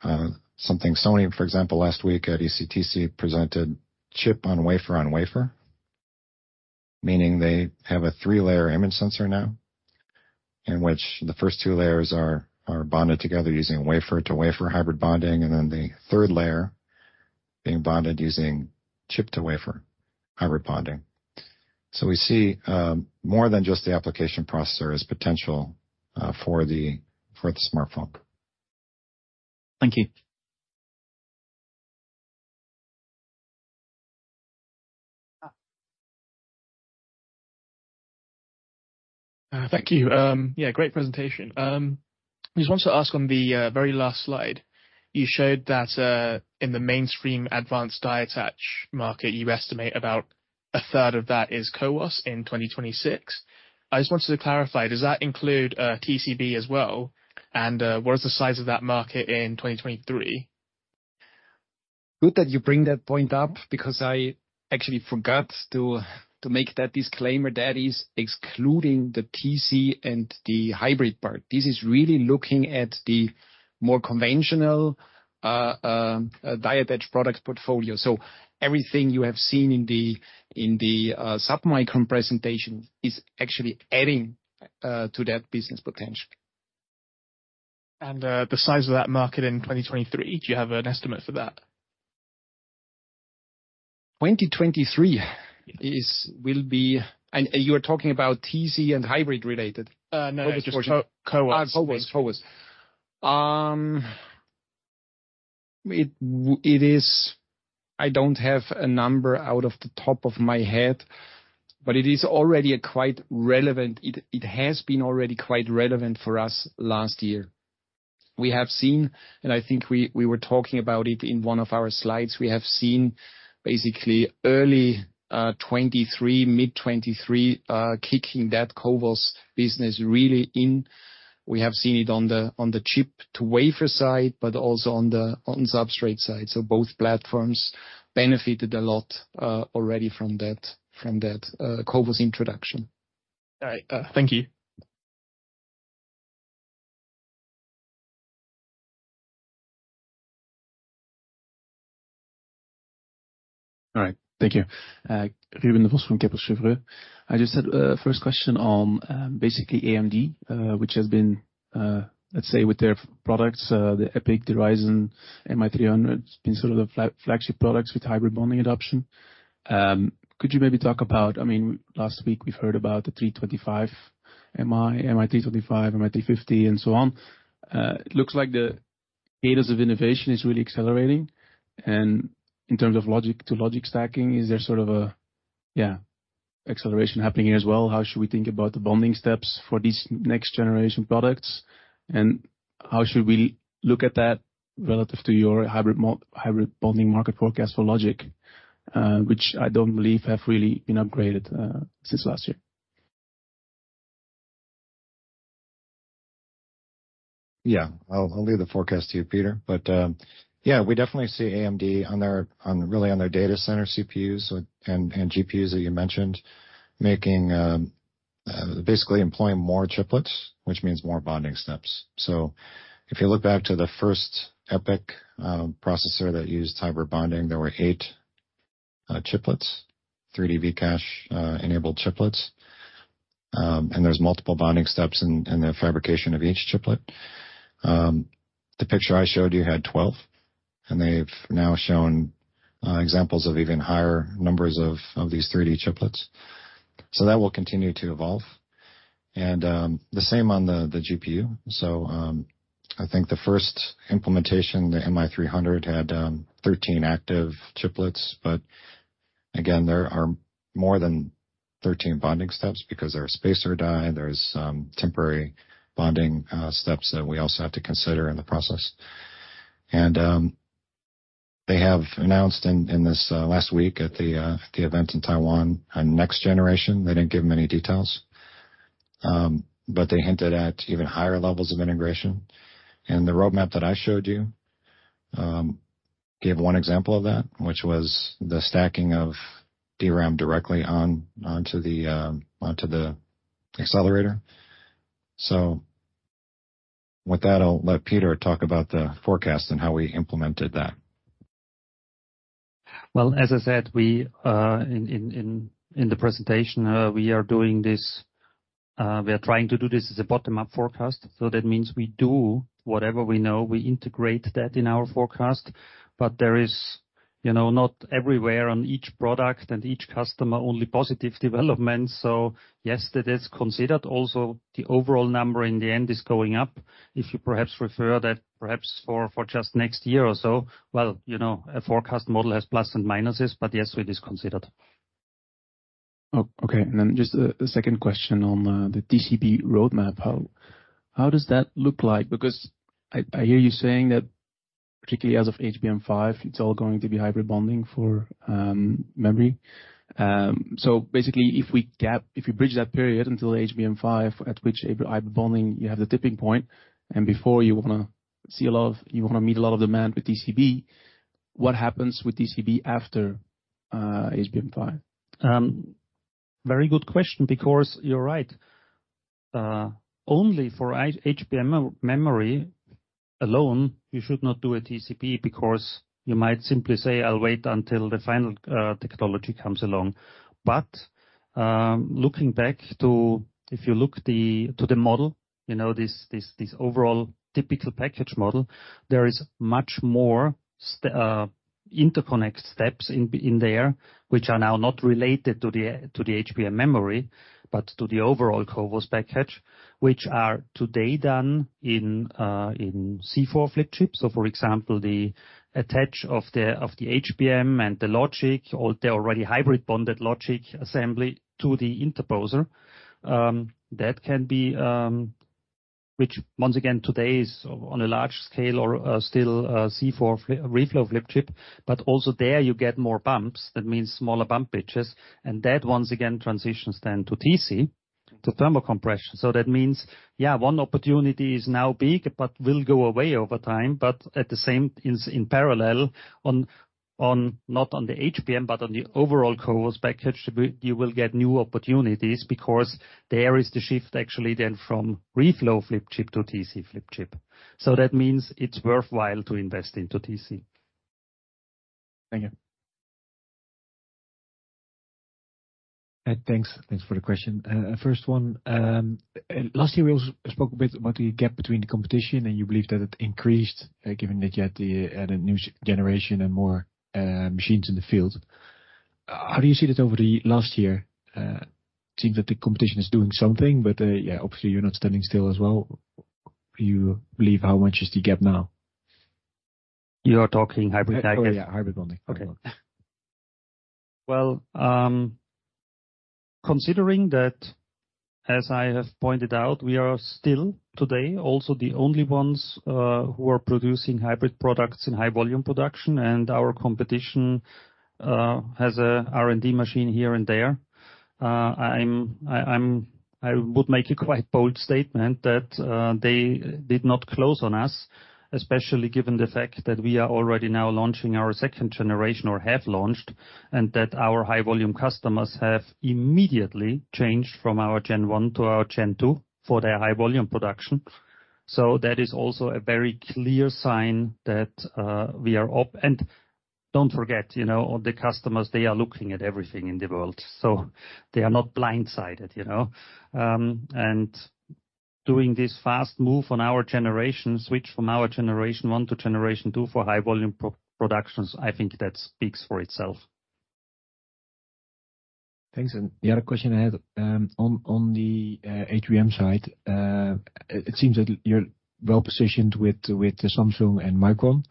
something. Sony, for example, last week at ECTC, presented chip-on-wafer, on-wafer, meaning they have a three-layer image sensor now, in which the first two layers are bonded together using wafer-to-wafer hybrid bonding, and then the third layer being bonded using chip-to-wafer hybrid bonding. So we see more than just the application processor as potential for the smartphone. Thank you. Thank you. Yeah, great presentation. Just wanted to ask on the very last slide, you showed that in the mainstream advanced die-attach market, you estimate about a third of that is CoWoS in 2026. I just wanted to clarify, does that include TCB as well, and what is the size of that market in 2023? Good that you bring that point up, because I actually forgot to make that disclaimer. That is excluding the TC and the hybrid part. This is really looking at the more conventional, die-attach product portfolio. So everything you have seen in the submicron presentation is actually adding to that business potential. The size of that market in 2023, do you have an estimate for that? 2023 will be... And you are talking about TC and hybrid related? No, just CoWoS. Ah, CoWoS, CoWoS. It is—I don't have a number out of the top of my head, but it is already a quite relevant. It has been already quite relevant for us last year. We have seen, and I think we were talking about it in one of our slides, we have seen basically early 2023, mid-2023, kicking that CoWoS business really in. We have seen it on the chip-to-wafer side, but also on the substrate side. So both platforms benefited a lot already from that CoWoS introduction. All right, thank you. All right, thank you. Ruben Devos from Kepler Cheuvreux. I just had a first question on basically AMD, which has been, let's say, with their products, the EPYC, the Ryzen, MI300, it's been sort of the flagship products with hybrid bonding adoption. Could you maybe talk about-- I mean, last week we've heard about the MI325, MI350, and so on. It looks like the pace of innovation is really accelerating. And in terms of logic to logic stacking, is there sort of a, yeah, acceleration happening here as well? How should we think about the bonding steps for these next generation products, and how should we look at that relative to your hybrid bonding market forecast for logic, which I don't believe have really been upgraded since last year? Yeah. I'll leave the forecast to you, Peter, but yeah, we definitely see AMD on their, on really on their data center CPUs so, and GPUs, that you mentioned, making basically employing more chiplets, which means more bonding steps. So if you look back to the first EPYC processor that used hybrid bonding, there were eight chiplets, 3D V-Cache enabled chiplets. And there's multiple bonding steps in the fabrication of each chiplet. The picture I showed you had 12, and they've now shown examples of even higher numbers of these 3D chiplets. So that will continue to evolve. And the same on the GPU. So, I think the first implementation, the MI300, had thirteen active chiplets, but again, there are more than 13 bonding steps because there are spacer die, there's some temporary bonding steps that we also have to consider in the process. And they have announced in this last week at the event in Taiwan, a next generation. They didn't give many details, but they hinted at even higher levels of integration. And the roadmap that I showed you gave one example of that, which was the stacking of DRAM directly on, onto the accelerator. So with that, I'll let Peter talk about the forecast and how we implemented that. Well, as I said, we in the presentation, we are doing this, we are trying to do this as a bottom-up forecast. So that means we do whatever we know, we integrate that in our forecast. But there is, you know, not everywhere on each product and each customer, only positive developments. So yes, that is considered also, the overall number in the end is going up. If you perhaps refer that perhaps for just next year or so, well, you know, a forecast model has plus and minuses, but yes, it is considered. Oh, okay. And then just a second question on the TCB roadmap. How does that look like? Because I hear you saying that particularly as of HBM5, it's all going to be hybrid bonding for memory. So basically, if you bridge that period until HBM5, at which hybrid bonding you have the tipping point, and before you wanna meet a lot of demand with TCB, what happens with TCB after HBM5? Very good question, because you're right. Only for HBM memory alone, you should not do a TCP, because you might simply say: I'll wait until the final technology comes along. But looking back to—if you look to the model, you know, this overall typical package model, there is much more interconnect steps in there, which are now not related to the HBM memory, but to the overall CoWoS package, which are today done in C4 flip chip. So for example, the attach of the HBM and the logic, or the already hybrid bonded logic assembly to the interposer. That can be, which once again, today is on a large scale or still C4 reflow flip chip. But also there, you get more bumps, that means smaller bump pitches, and that once again transitions then to TC, to thermal compression. So that means, yeah, one opportunity is now big, but will go away over time. But at the same, in parallel, on, on, not on the HBM, but on the overall CoWoS package, you will get new opportunities, because there is the shift actually then from reflow flip chip to TC flip chip. So that means it's worthwhile to invest into TC. Thank you. Thanks. Thanks for the question. First one, last year, we spoke a bit about the gap between the competition, and you believe that it increased, given that you had the, the new generation and more machines in the field. How do you see that over the last year? I think that the competition is doing something, but, yeah, obviously you're not standing still as well. You believe how much is the gap now? You are talking hybrid package? Oh, yeah, Hybrid Bonding. Okay. Well, considering that, as I have pointed out, we are still today also the only ones who are producing hybrid products in high volume production, and our competition has a R&D machine here and there. I would make a quite bold statement that they did not close on us, especially given the fact that we are already now launching our second generation, or have launched, and that our high volume customers have immediately changed from our gen one to our gen two for their high volume production. So that is also a very clear sign that we are up. And don't forget, you know, the customers, they are looking at everything in the world, so they are not blindsided, you know. Doing this fast move on our generation switch from our generation one to generation two for high volume productions, I think that speaks for itself. Thanks. And the other question I had, on the HBM side, it seems that you're well positioned with Samsung and Micron.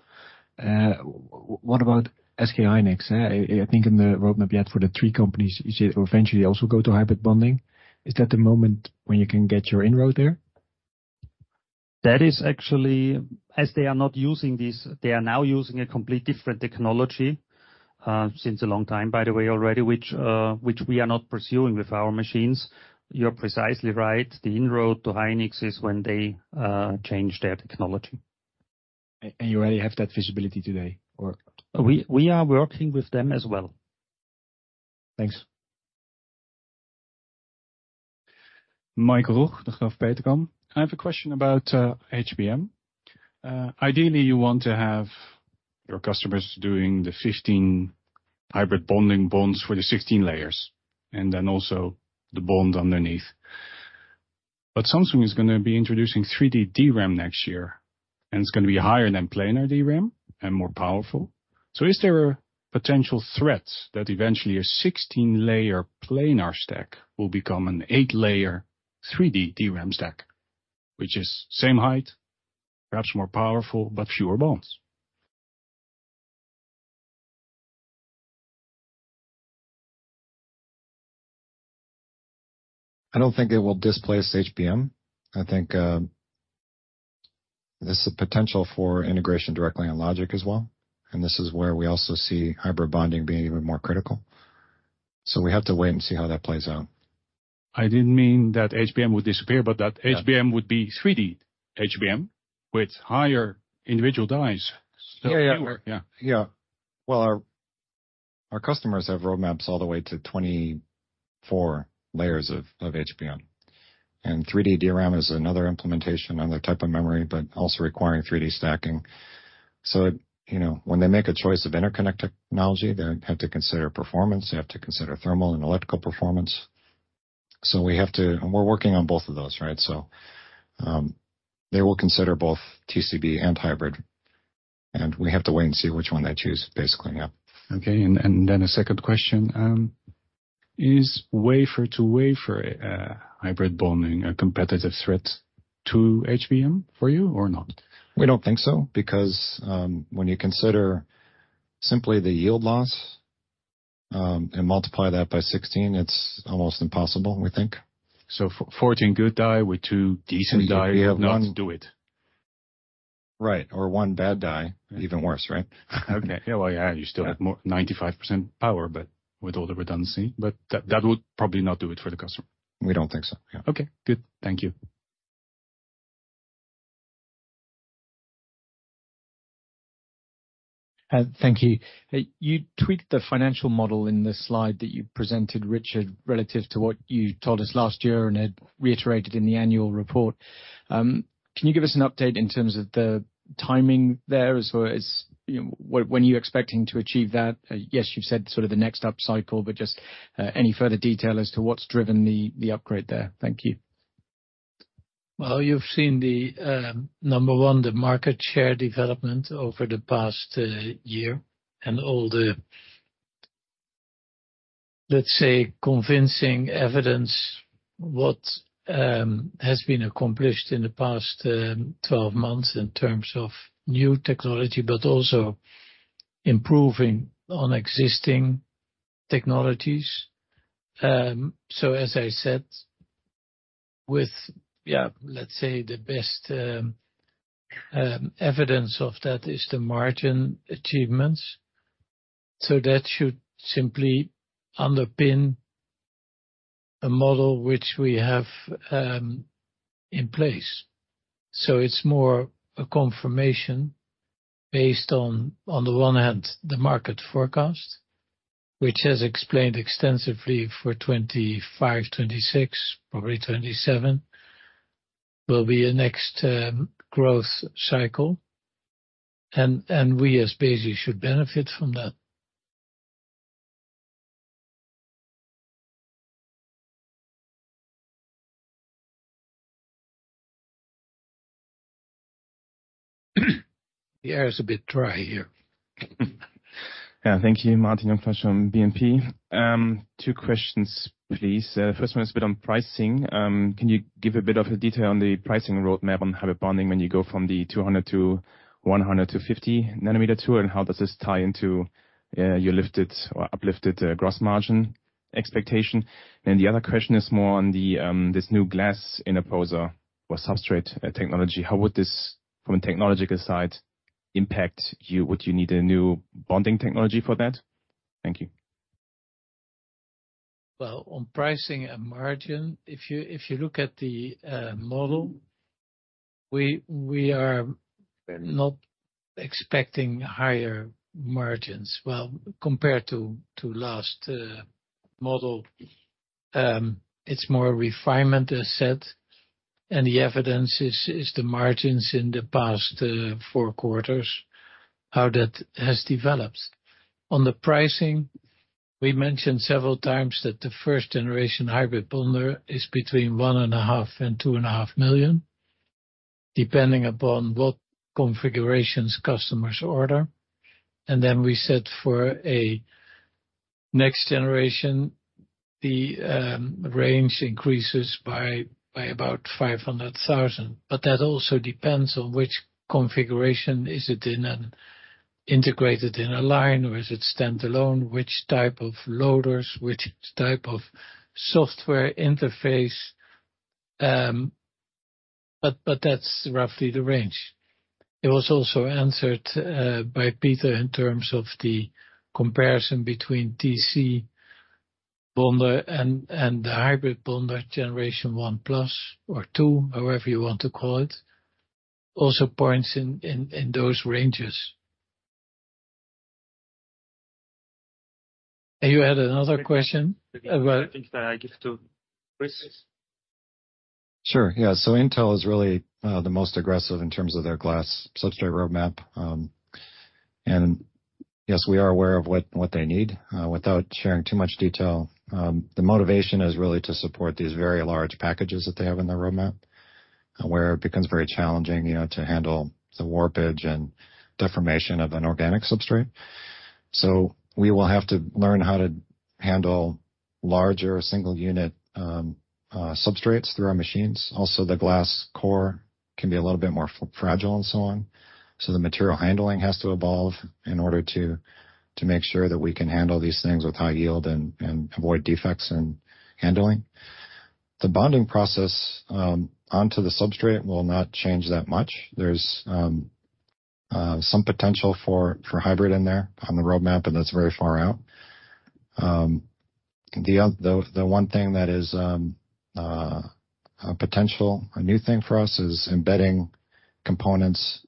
What about SK hynix? I think in the roadmap you had for the three companies, you said eventually also go to hybrid bonding. Is that the moment when you can get your inroad there? That is actually... As they are not using this, they are now using a complete different technology, since a long time, by the way, already, which we are not pursuing with our machines. You're precisely right. The inroad to Hynix is when they change their technology. And you already have that visibility today, or? We are working with them as well. Thanks. Michael Roeg, Degroof Petercam. I have a question about HBM. Ideally, you want to have your customers doing the 15 hybrid bonding bonds for the 16 layers, and then also the bond underneath. But Samsung is gonna be introducing 3D DRAM next year, and it's gonna be higher than planar DRAM and more powerful. So is there a potential threat that eventually a 16-layer planar stack will become an eight layer 3D DRAM stack, which is same height, perhaps more powerful, but fewer bonds? I don't think it will displace HBM. I think, this is a potential for integration directly on logic as well, and this is where we also see hybrid bonding being even more critical. So we have to wait and see how that plays out. I didn't mean that HBM would disappear- Yeah. but that HBM would be 3D HBM with higher individual dies. Yeah, yeah. Yeah. Yeah. Well, our customers have roadmaps all the way to 24 layers of HBM, and 3D DRAM is another implementation, another type of memory, but also requiring 3D stacking. So, you know, when they make a choice of interconnect technology, they have to consider performance, they have to consider thermal and electrical performance. So we have to... And we're working on both of those, right? So, they will consider both TCB and hybrid, and we have to wait and see which one they choose, basically. Yeah. Okay, and then the second question is wafer to wafer hybrid bonding a competitive threat to HBM for you or not? We don't think so, because, when you consider simply the yield loss, and multiply that by 16, it's almost impossible, we think. So 14 good die with two decent die- Yeah, one. Not do it. Right. Or one bad die, even worse, right? Okay. Yeah, well, yeah, you still have more 95% power, but with all the redundancy. But that, that would probably not do it for the customer. We don't think so, yeah. Okay, good. Thank you. Thank you. You tweaked the financial model in the slide that you presented, Richard, relative to what you told us last year and had reiterated in the annual report. Can you give us an update in terms of the timing there, as well as, you know, when you're expecting to achieve that? Yes, you've said sort of the next up cycle, but just, any further detail as to what's driven the upgrade there? Thank you. Well, you've seen the number one, the market share development over the past year, and all the, let's say, convincing evidence what has been accomplished in the past 12 months in terms of new technology, but also improving on existing technologies. So as I said, with, yeah, let's say, the best evidence of that is the margin achievements. So that should simply underpin a model which we have in place. So it's more a confirmation based on, on the one hand, the market forecast, which has explained extensively for 2025, 2026, probably 2027, will be a next growth cycle. And we, as Besi, should benefit from that. The air is a bit dry here. Yeah. Thank you, Martin Jungfleisch from BNP. Two questions, please. First one is a bit on pricing. Can you give a bit of a detail on the pricing roadmap on hybrid bonding when you go from the 200 to 100 to 50 nm tool? And how does this tie into, your lifted or uplifted, gross margin expectation? Then the other question is more on the, this new glass interposer or substrate technology. How would this, from a technological side, impact you? Would you need a new bonding technology for that? Thank you. Well, on pricing and margin, if you, if you look at the model, we, we are not expecting higher margins. Well, compared to, to last model, it's more refinement, as said, and the evidence is, is the margins in the past 4 quarters, how that has developed. On the pricing, we mentioned several times that the first generation hybrid bonder is between 1.5 million and 2.5 million, depending upon what configurations customers order. And then we said for a next generation, the range increases by, by about 500,000. But that also depends on which configuration. Is it in an integrated in a line, or is it standalone? Which type of loaders, which type of software interface? But, but that's roughly the range. It was also answered by Peter in terms of the comparison between TC bonder and the hybrid bonder generation one plus or two, however you want to call it, also points in those ranges. And you had another question as well? I think that I give to Chris. Sure, yeah. So Intel is really the most aggressive in terms of their glass substrate roadmap. And yes, we are aware of what they need without sharing too much detail. The motivation is really to support these very large packages that they have in their roadmap, where it becomes very challenging, you know, to handle the warpage and deformation of an organic substrate. So we will have to learn how to handle larger single unit substrates through our machines. Also, the glass core can be a little bit more fragile and so on. So the material handling has to evolve in order to make sure that we can handle these things with high yield and avoid defects and handling. The bonding process onto the substrate will not change that much. There's some potential for hybrid in there on the roadmap, but that's very far out. The other... The one thing that is a potential, a new thing for us, is embedding components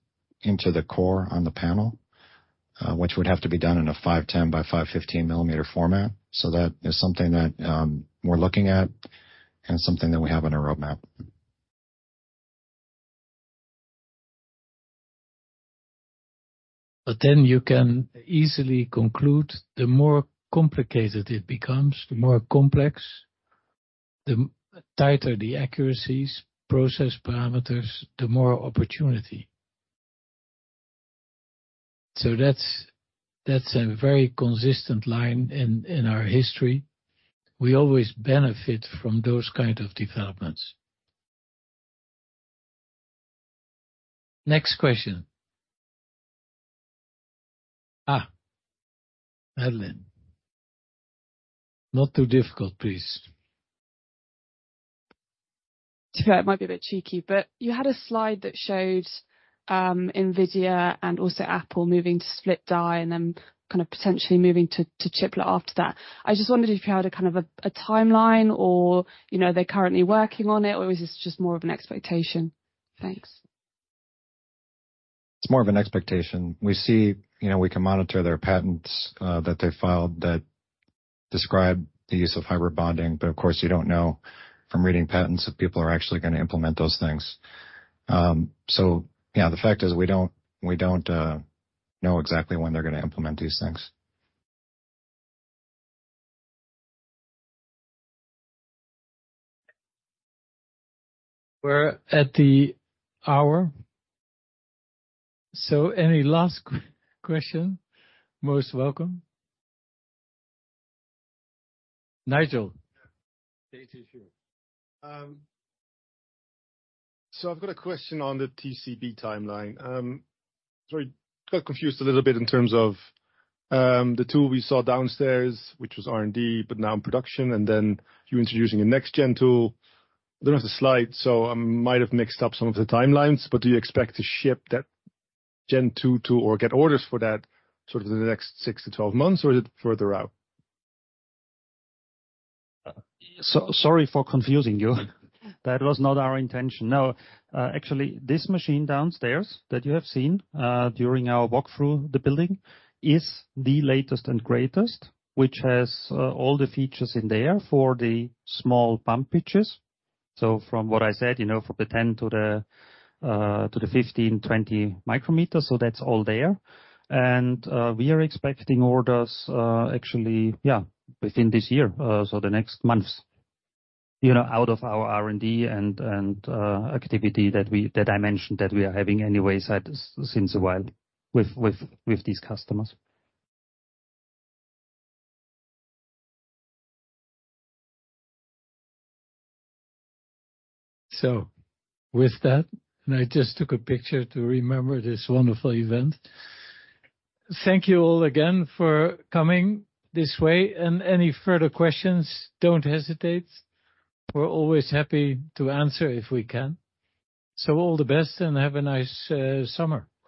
into the core on the panel, which would have to be done in a 510 mm by 515 mm format. So that is something that we're looking at and something that we have on our roadmap. But then you can easily conclude, the more complicated it becomes, the more complex, the tighter the accuracies, process parameters, the more opportunity. So that's, that's a very consistent line in, in our history. We always benefit from those kind of developments. Next question. Ah, Madeleine. Not too difficult, please. It might be a bit cheeky, but you had a slide that showed, NVIDIA and also Apple moving to split die and then kind of potentially moving to chiplet after that. I just wondered if you had a kind of a timeline or, you know, they're currently working on it, or is this just more of an expectation? Thanks. It's more of an expectation. We see, you know, we can monitor their patents, that they filed that describe the use of hybrid bonding, but of course, you don't know from reading patents if people are actually gonna implement those things. So yeah, the fact is, we don't, we don't, know exactly when they're gonna implement these things. We're at the hour. So any last question, most welcome. Nigel? Yeah. So I've got a question on the TCB timeline. So I got confused a little bit in terms of, the tool we saw downstairs, which was R&D, but now in production, and then you introducing a next gen tool. Don't have the slide, so I might have mixed up some of the timelines, but do you expect to ship that gen tool, tool or get orders for that sort of in the next six to 12 months, or is it further out? So sorry for confusing you. That was not our intention. No, actually, this machine downstairs that you have seen, during our walk through the building, is the latest and greatest, which has, all the features in there for the small bump pitches. So from what I said, you know, from the 10 to the, to the 15, 20 micrometers, so that's all there. And, we are expecting orders, actually, yeah, within this year, so the next months, you know, out of our R&D and, and, activity that we- that I mentioned, that we are having anyways at- since a while with, with, with these customers. So with that, and I just took a picture to remember this wonderful event. Thank you all again for coming this way, and any further questions, don't hesitate. We're always happy to answer if we can. So all the best and have a nice summer.